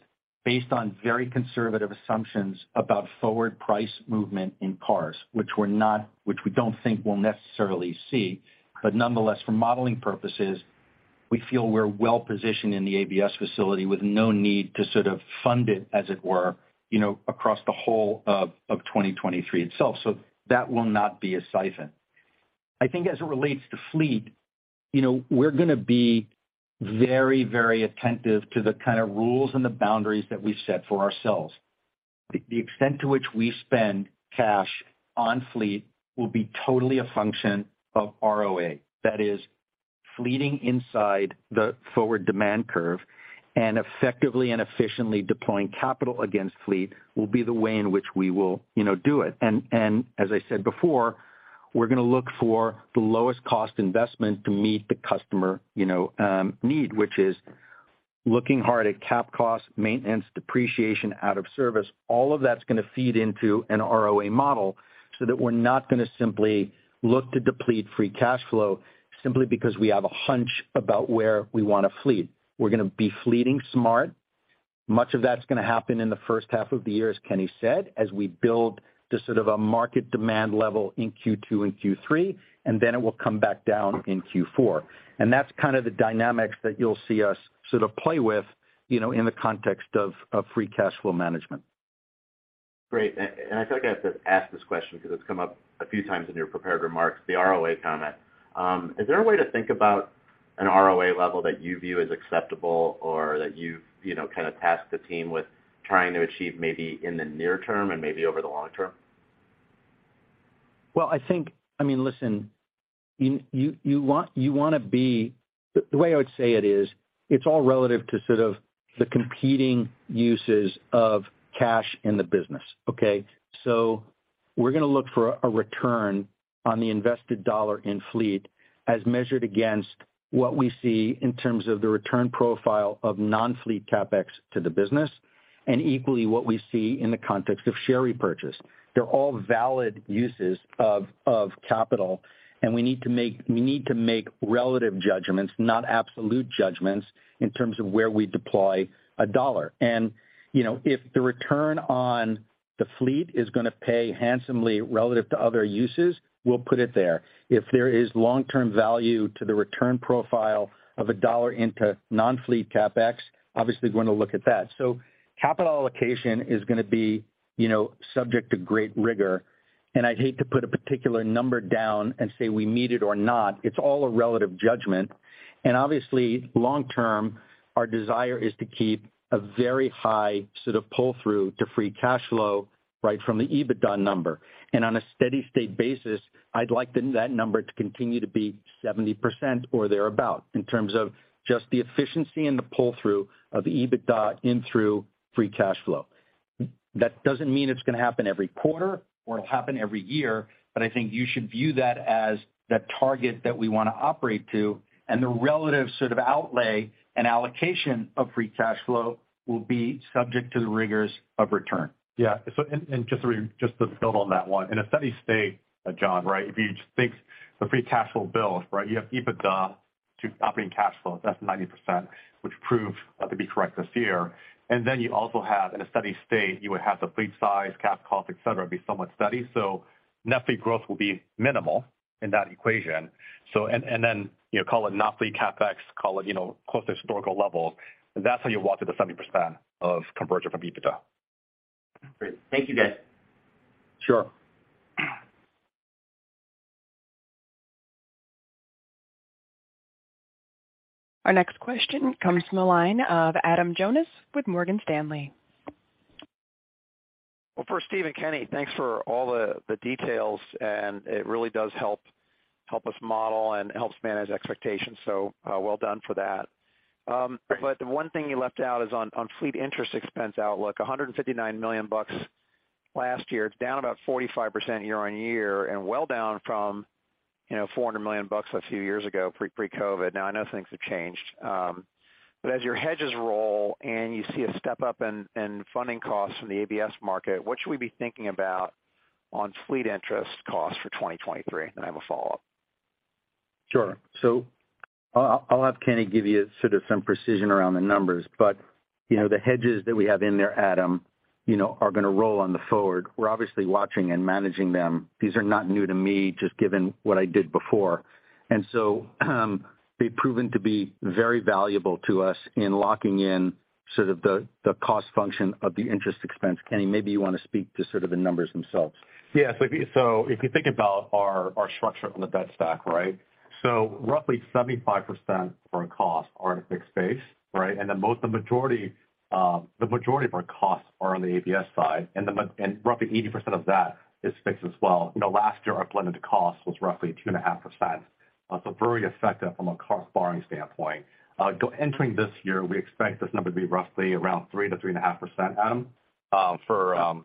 based on very conservative assumptions about forward price movement in cars, which we don't think we'll necessarily see. Nonetheless, for modeling purposes, we feel we're well-positioned in the ABS facility with no need to sort of fund it as it were, you know, across the whole of 2023 itself. That will not be a siphon. I think as it relates to fleet, you know, we're going to be very, very attentive to the kind of rules and the boundaries that we set for ourselves. The extent to which we spend cash on fleet will be totally a function of ROA. That is, fleeting inside the forward demand curve and effectively and efficiently deploying capital against fleet will be the way in which we will, you know, do it. As I said before, we're gonna look for the lowest cost investment to meet the customer, you know, need, which is looking hard at capitalized cost, maintenance, depreciation, out of service. All of that's gonna feed into an ROA model so that we're not gonna simply look to deplete free cash flow simply because we have a hunch about where we wanna fleet. We're gonna be fleeting smart. Much of that's gonna happen in the first half of the year, as Kenny said, as we build the sort of a market demand level in Q2 and Q3, and then it will come back down in Q4. That's kind of the dynamics that you'll see us sort of play with, you know, in the context of free cash flow management. Great. I feel like I have to ask this question because it's come up a few times in your prepared remarks, the ROA comment. Is there a way to think about an ROA level that you view as acceptable or that you've, you know, kind of tasked the team with trying to achieve maybe in the near term and maybe over the long term? Well, I think. I mean, listen, you wanna be, the way I would say it is, it's all relative to sort of the competing uses of cash in the business, okay? We're gonna look for a return on the invested dollar in fleet as measured against what we see in terms of the return profile of non-fleet CapEx to the business, and equally what we see in the context of share repurchase. They're all valid uses of capital, and we need to make relative judgments, not absolute judgments in terms of where we deploy a dollar. You know, if the return on the fleet is gonna pay handsomely relative to other uses, we'll put it there. If there is long-term value to the return profile of a dollar into non-fleet CapEx, obviously we're gonna look at that. Capital allocation is gonna be, you know, subject to great rigor, and I'd hate to put a particular number down and say we meet it or not. It's all a relative judgment. Obviously, long term, our desire is to keep a very high sort of pull-through to free cash flow right from the EBITDA number. On a steady-state basis, I'd like that number to continue to be 70% or thereabout in terms of just the efficiency and the pull-through of EBITDA in through free cash flow. That doesn't mean it's gonna happen every quarter or it'll happen every year, but I think you should view that as the target that we wanna operate to, and the relative sort of outlay and allocation of free cash flow will be subject to the rigors of return. Yeah. Just to build on that one. In a steady state, John, right, if you just think the free cash flow builds, right? You have EBITDA to operating cash flow, that's 90%, which proved to be correct this year. Then you also have in a steady state, you would have the fleet size, capitalized cost, et cetera, be somewhat steady. Net fleet growth will be minimal in that equation. Then, you know, call it non-fleet CapEx, call it, you know, close to historical levels. That's how you walk to the 70% of conversion from EBITDA. Great. Thank you guys. Sure. Our next question comes from the line of Adam Jonas with Morgan Stanley. First, Stephen and Kenny, thanks for all the details, and it really does help us model and helps manage expectations. Well done for that. The one thing you left out is on fleet interest expense outlook, $159 million last year. It's down about 45% year-on-year and well down from, you know, $400 million a few years ago pre-COVID. I know things have changed, but as your hedges roll and you see a step up in funding costs from the ABS market, what should we be thinking about on fleet interest costs for 2023? I have a follow-up. Sure. I'll have Kenny give you sort of some precision around the numbers. You know, the hedges that we have in there, Adam, you know, are gonna roll on the forward. We're obviously watching and managing them. These are not new to me, just given what I did before. They've proven to be very valuable to us in locking in sort of the cost function of the interest expense. Kenny, maybe you wanna speak to sort of the numbers themselves. Yes. If you think about our structure on the debt stack, right? Roughly 75% of our costs are in a fixed space, right? The majority of our costs are on the ABS side, and roughly 80% of that is fixed as well. You know, last year, our blended cost was roughly 2.5%. Very effective from a car borrowing standpoint. Entering this year, we expect this number to be roughly around 3%-3.5%, Adam, on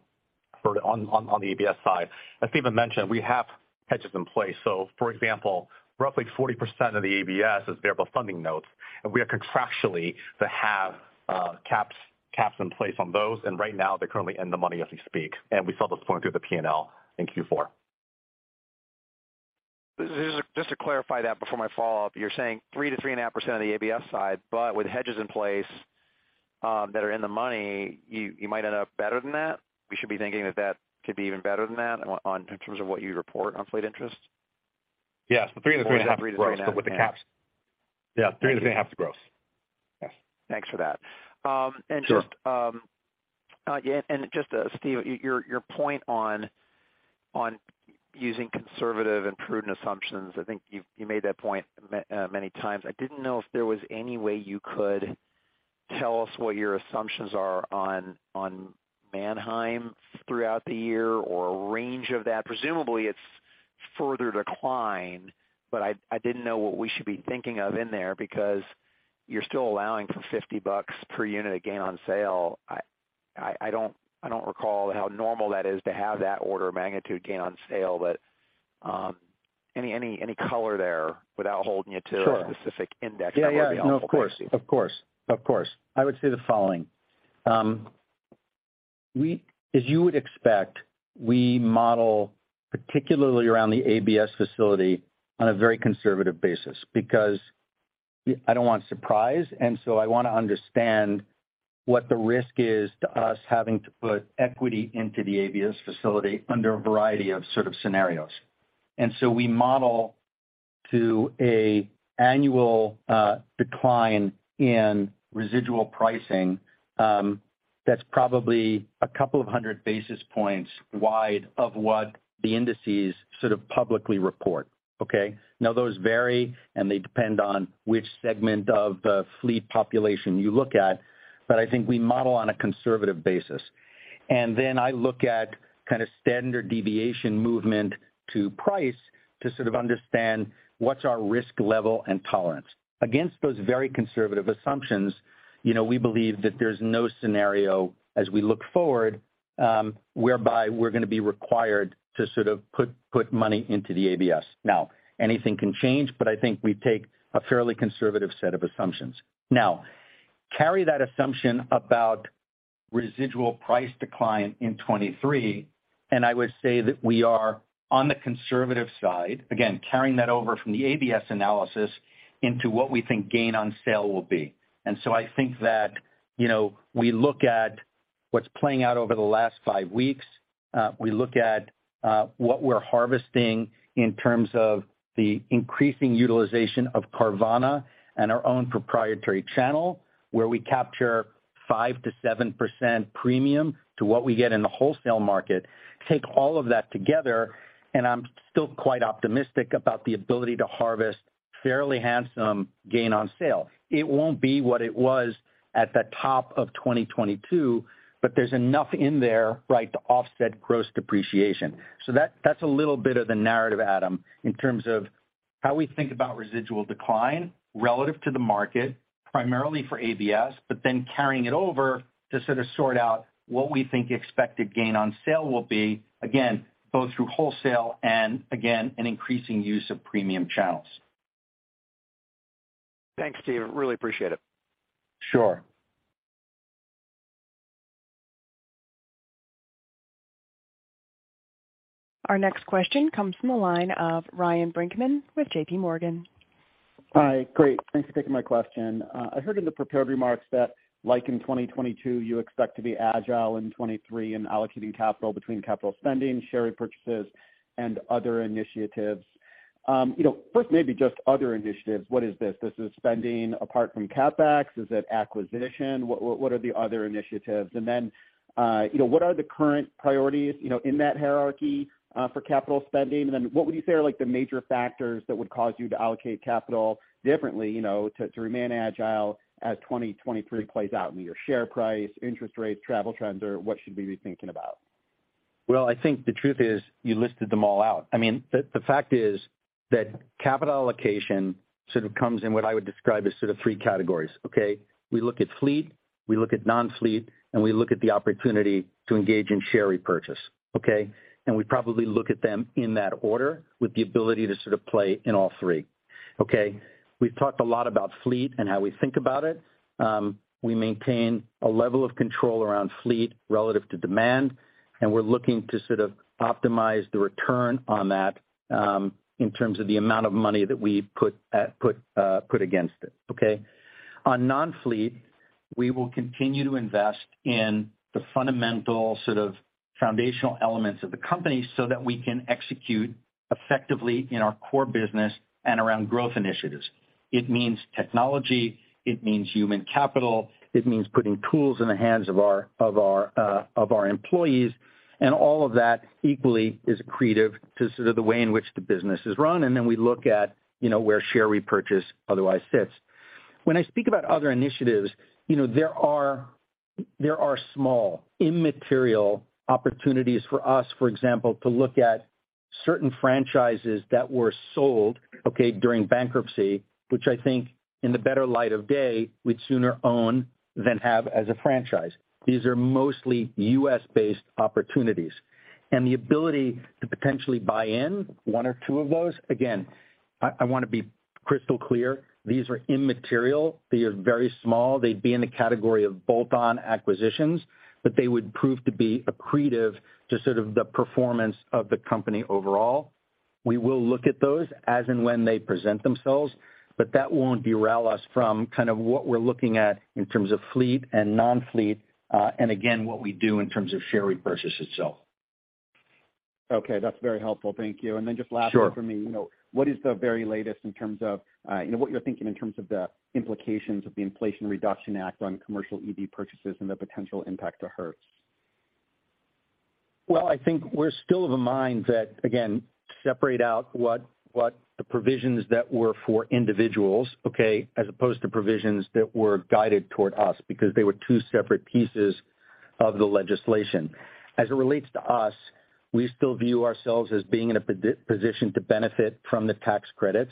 the ABS side. As Stephen mentioned, we have hedges in place. For example, roughly 40% of the ABS is variable funding notes, and we are contractually to have caps in place on those. Right now, they're currently in the money as we speak, and we saw this flowing through the P&L in Q4. Just to clarify that before my follow-up, you're saying 3% to 3.5% on the ABS side, but with hedges in place that are in the money, you might end up better than that? We should be thinking that that could be even better than that on in terms of what you report on fleet interest? Yes. 3.5% gross. 3.5% With the caps. Yeah, 3,5% is gross. Yes. Thanks for that. Sure. Just, Stephen, your point on using conservative and prudent assumptions, I think you made that point many times. I didn't know if there was any way you could tell us what your assumptions are on Manheim throughout the year or a range of that. Presumably, it's further decline, but I didn't know what we should be thinking of in there because you're still allowing for $50 per unit of gain on sale. I don't recall how normal that is to have that order of magnitude gain on sale. Any color there without holding you to. Sure. A specific index number would be helpful. Yeah, yeah. Of course. Of course. Of course. I would say the following. As you would expect, we model particularly around the ABS facility on a very conservative basis because I don't want surprise, I wanna understand what the risk is to us having to put equity into the ABS facility under a variety of sort of scenarios. We model to a annual decline in residual pricing that's probably a couple of hundred basis points wide of what the indices sort of publicly report. Okay. Those vary, and they depend on which segment of the fleet population you look at, but I think we model on a conservative basis. Then I look at kind of standard deviation movement to price to sort of understand what's our risk level and tolerance. Against those very conservative assumptions, you know, we believe that there's no scenario as we look forward, whereby we're gonna be required to sort of put money into the ABS. Anything can change, but I think we take a fairly conservative set of assumptions. Carry that assumption about residual price decline in 2023, and I would say that we are on the conservative side, again, carrying that over from the ABS analysis into what we think gain on sale will be. I think that, you know, we look at what's playing out over the last five weeks. We look at what we're harvesting in terms of the increasing utilization of Carvana and our own proprietary channel, where we capture 5%-7% premium to what we get in the wholesale market. Take all of that together, I'm still quite optimistic about the ability to harvest fairly handsome gain on sale. It won't be what it was at the top of 2022, but there's enough in there, right, to offset gross depreciation. That's a little bit of the narrative, Adam, in terms of how we think about residual decline relative to the market, primarily for ABS, but then carrying it over to sort of sort out what we think expected gain on sale will be, again, both through wholesale and again, an increasing use of premium channels. Thanks, Stephen. I really appreciate it. Sure. Our next question comes from the line of Ryan Brinkman with JP Morgan. Hi. Great. Thanks for taking my question. I heard in the prepared remarks that like in 2022, you expect to be agile in 2023 in allocating capital between capital spending, share repurchases, and other initiatives. you know, first maybe just other initiatives. What is this? This is spending apart from CapEx, is it acquisition? What, what are the other initiatives? you know, what are the current priorities, you know, in that hierarchy for capital spending? What would you say are like the major factors that would cause you to allocate capital differently, you know, to remain agile as 2023 plays out in your share price, interest rates, travel trends, or what should we be thinking about? Well, I think the truth is you listed them all out. I mean, the fact is that capital allocation sort of comes in what I would describe as sort of three categories, okay. We look at fleet, we look at non-fleet, and we look at the opportunity to engage in share repurchase, okay. We probably look at them in that order with the ability to sort of play in all three. Okay, we've talked a lot about fleet and how we think about it. We maintain a level of control around fleet relative to demand, and we're looking to sort of optimize the return on that in terms of the amount of money that we put against it, okay. On non-fleet, we will continue to invest in the fundamental sort of foundational elements of the company so that we can execute effectively in our core business and around growth initiatives. It means technology, it means human capital, it means putting tools in the hands of our employees, and all of that equally is accretive to sort of the way in which the business is run, and then we look at, you know, where share repurchase otherwise sits. When I speak about other initiatives, you know, there are small, immaterial opportunities for us, for example, to look at certain franchises that were sold, okay, during bankruptcy, which I think in the better light of day, we'd sooner own than have as a franchise. These are mostly U.S.-based opportunities. The ability to potentially buy in one or two of those, again, I wanna be crystal clear, these are immaterial. They are very small. They'd be in the category of bolt-on acquisitions, but they would prove to be accretive to sort of the performance of the company overall. We will look at those as and when they present themselves, but that won't derail us from kind of what we're looking at in terms of fleet and non-fleet, and again, what we do in terms of share repurchase itself. Okay. That's very helpful. Thank you. Sure. Then just lastly from me, you know, what is the very latest in terms of, you know, what you're thinking in terms of the implications of the Inflation Reduction Act on commercial EV purchases and the potential impact to Hertz? Well, I think we're still of a mind that, again, separate out what the provisions that were for individuals, okay, as opposed to provisions that were guided toward us because they were two separate pieces of the legislation. As it relates to us, we still view ourselves as being in a position to benefit from the tax credits.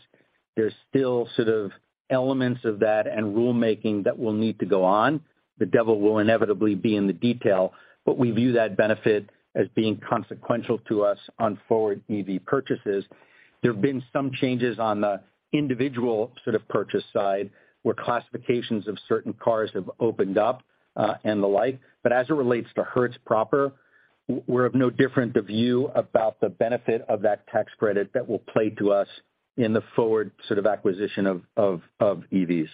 There's still sort of elements of that and rulemaking that will need to go on. The devil will inevitably be in the detail, but we view that benefit as being consequential to us on forward EV purchases. There have been some changes on the individual sort of purchase side, where classifications of certain cars have opened up and the like. But as it relates to Hertz proper, we're of no different the view about the benefit of that tax credit that will play to us in the forward sort of acquisition of EVs.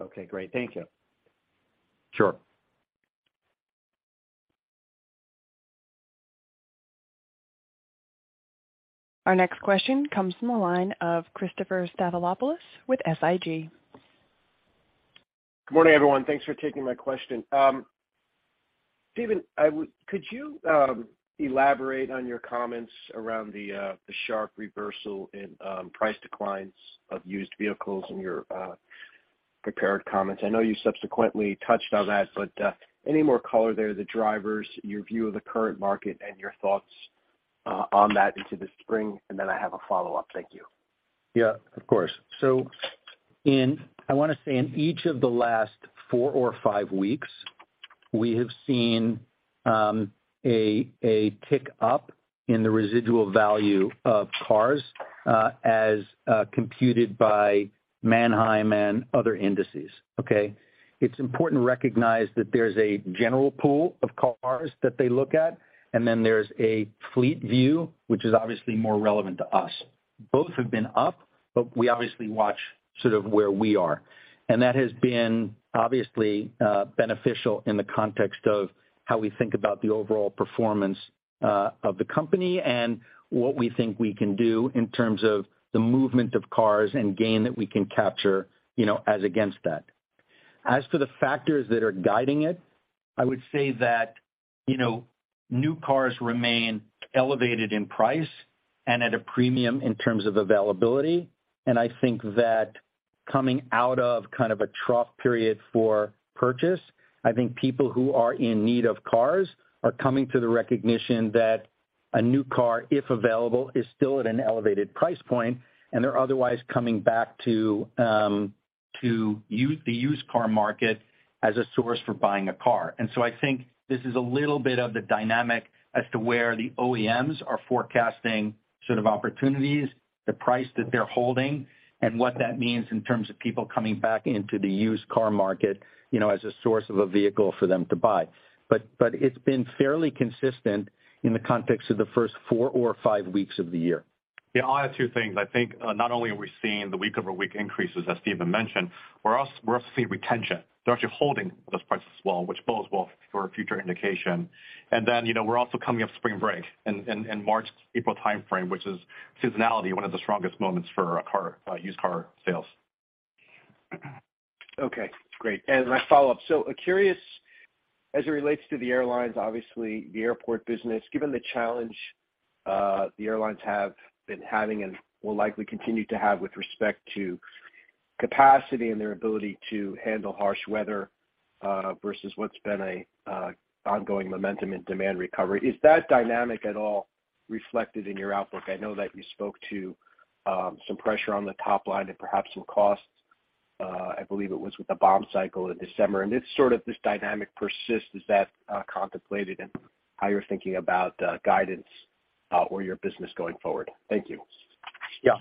Okay. Great. Thank you. Sure. Our next question comes from the line of Christopher Stathoulopoulos with SIG. Good morning, everyone. Thanks for taking my question. Stephen, Could you elaborate on your comments around the sharp reversal in price declines of used vehicles in your prepared comments? I know you subsequently touched on that, but any more color there, the drivers, your view of the current market and your thoughts on that into the spring? I have a follow-up. Thank you. Yeah, of course. I wanna say in each of the last four or five weeks, we have seen a tick up in the residual value of cars as computed by Manheim and other indices. Okay? It's important to recognize that there's a general pool of cars that they look at, there's a fleet view, which is obviously more relevant to us. Both have been up, we obviously watch sort of where we are. That has been obviously beneficial in the context of how we think about the overall performance of the company and what we think we can do in terms of the movement of cars and gain that we can capture, you know, as against that. As to the factors that are guiding it, I would say that, you know, new cars remain elevated in price and at a premium in terms of availability. I think that coming out of kind of a trough period for purchase, I think people who are in need of cars are coming to the recognition that a new car, if available, is still at an elevated price point, and they're otherwise coming back to the used car market as a source for buying a car. I think this is a little bit of the dynamic as to where the OEMs are forecasting sort of opportunities, the price that they're holding, and what that means in terms of people coming back into the used car market, you know, as a source of a vehicle for them to buy. It's been fairly consistent in the context of the first four or five weeks of the year. Yeah, I'll add two things. I think not only are we seeing the week-over-week increases, as Stephen mentioned, we're also seeing retention. They're actually holding those prices well, which bodes well for a future indication. You know, we're also coming off spring break in March, April timeframe, which is seasonality, one of the strongest moments for a car, used car sales. Okay, great. My follow-up. Curious as it relates to the airlines, obviously the airport business, given the challenge, the airlines have been having and will likely continue to have with respect to capacity and their ability to handle harsh weather, versus what's been an ongoing momentum and demand recovery. Is that dynamic at all reflected in your outlook? I know that you spoke to some pressure on the top line and perhaps some costs, I believe it was with the bomb cyclone in December. If sort of this dynamic persists, is that contemplated in how you're thinking about guidance or your business going forward? Thank you. Yeah.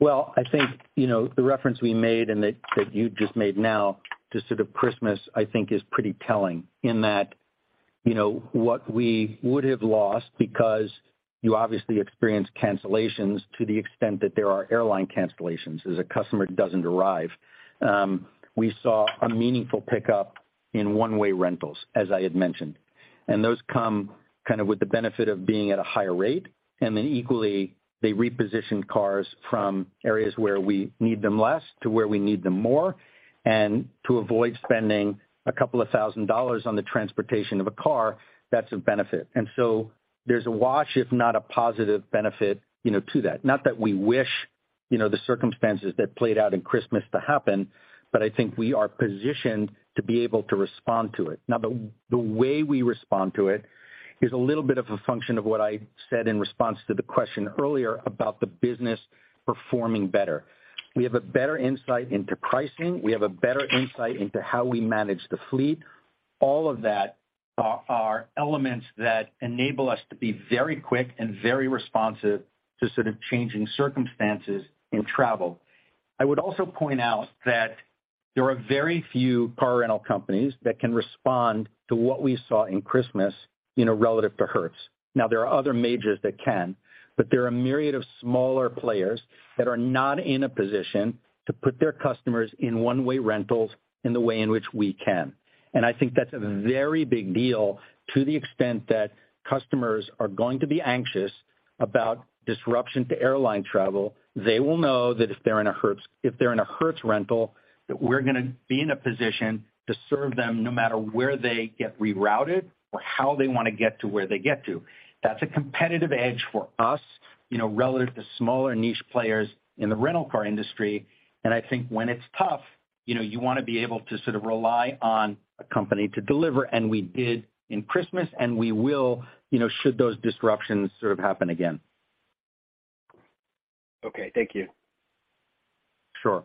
Well, I think, you know, the reference we made and that you just made now to sort of Christmas, I think is pretty telling in that, you know, what we would have lost because you obviously experience cancellations to the extent that there are airline cancellations, as a customer doesn't arrive. We saw a meaningful pickup in one-way rentals, as I had mentioned. Those come kind of with the benefit of being at a higher rate. Equally, they reposition cars from areas where we need them less to where we need them more. To avoid spending $2,000 on the transportation of a car, that's a benefit. There's a wash, if not a positive benefit, you know, to that. Not that we wish, you know, the circumstances that played out in Christmas to happen. I think we are positioned to be able to respond to it. The way we respond to it is a little bit of a function of what I said in response to the question earlier about the business performing better. We have a better insight into pricing. We have a better insight into how we manage the fleet. All of that are elements that enable us to be very quick and very responsive to sort of changing circumstances in travel. I would also point out that there are very few car rental companies that can respond to what we saw in Christmas, you know, relative to Hertz. There are other majors that can, but there are a myriad of smaller players that are not in a position to put their customers in one-way rentals in the way in which we can. I think that's a very big deal to the extent that customers are going to be anxious about disruption to airline travel. They will know that if they're in a Hertz rental, that we're gonna be in a position to serve them no matter where they get rerouted or how they wanna get to where they get to. That's a competitive edge for us, you know, relative to smaller niche players in the rental car industry. I think when it's tough, you know, you wanna be able to sort of rely on a company to deliver, and we did in Christmas and we will, you know, should those disruptions sort of happen again. Okay, thank you. Sure.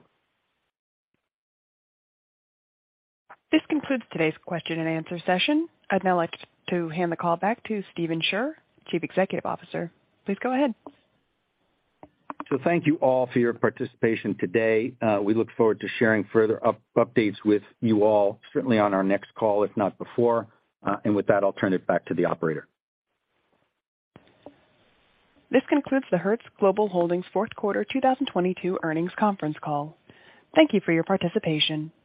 This concludes today's question-and-answer session. I'd now like to hand the call back to Stephen Scherr, Chief Executive Officer. Please go ahead. Thank you all for your participation today. We look forward to sharing further updates with you all, certainly on our next call, if not before. With that, I'll turn it back to the operator. This concludes the Hertz Global Holdings Fourth Quarter 2022 Earnings conference call. Thank you for your participation.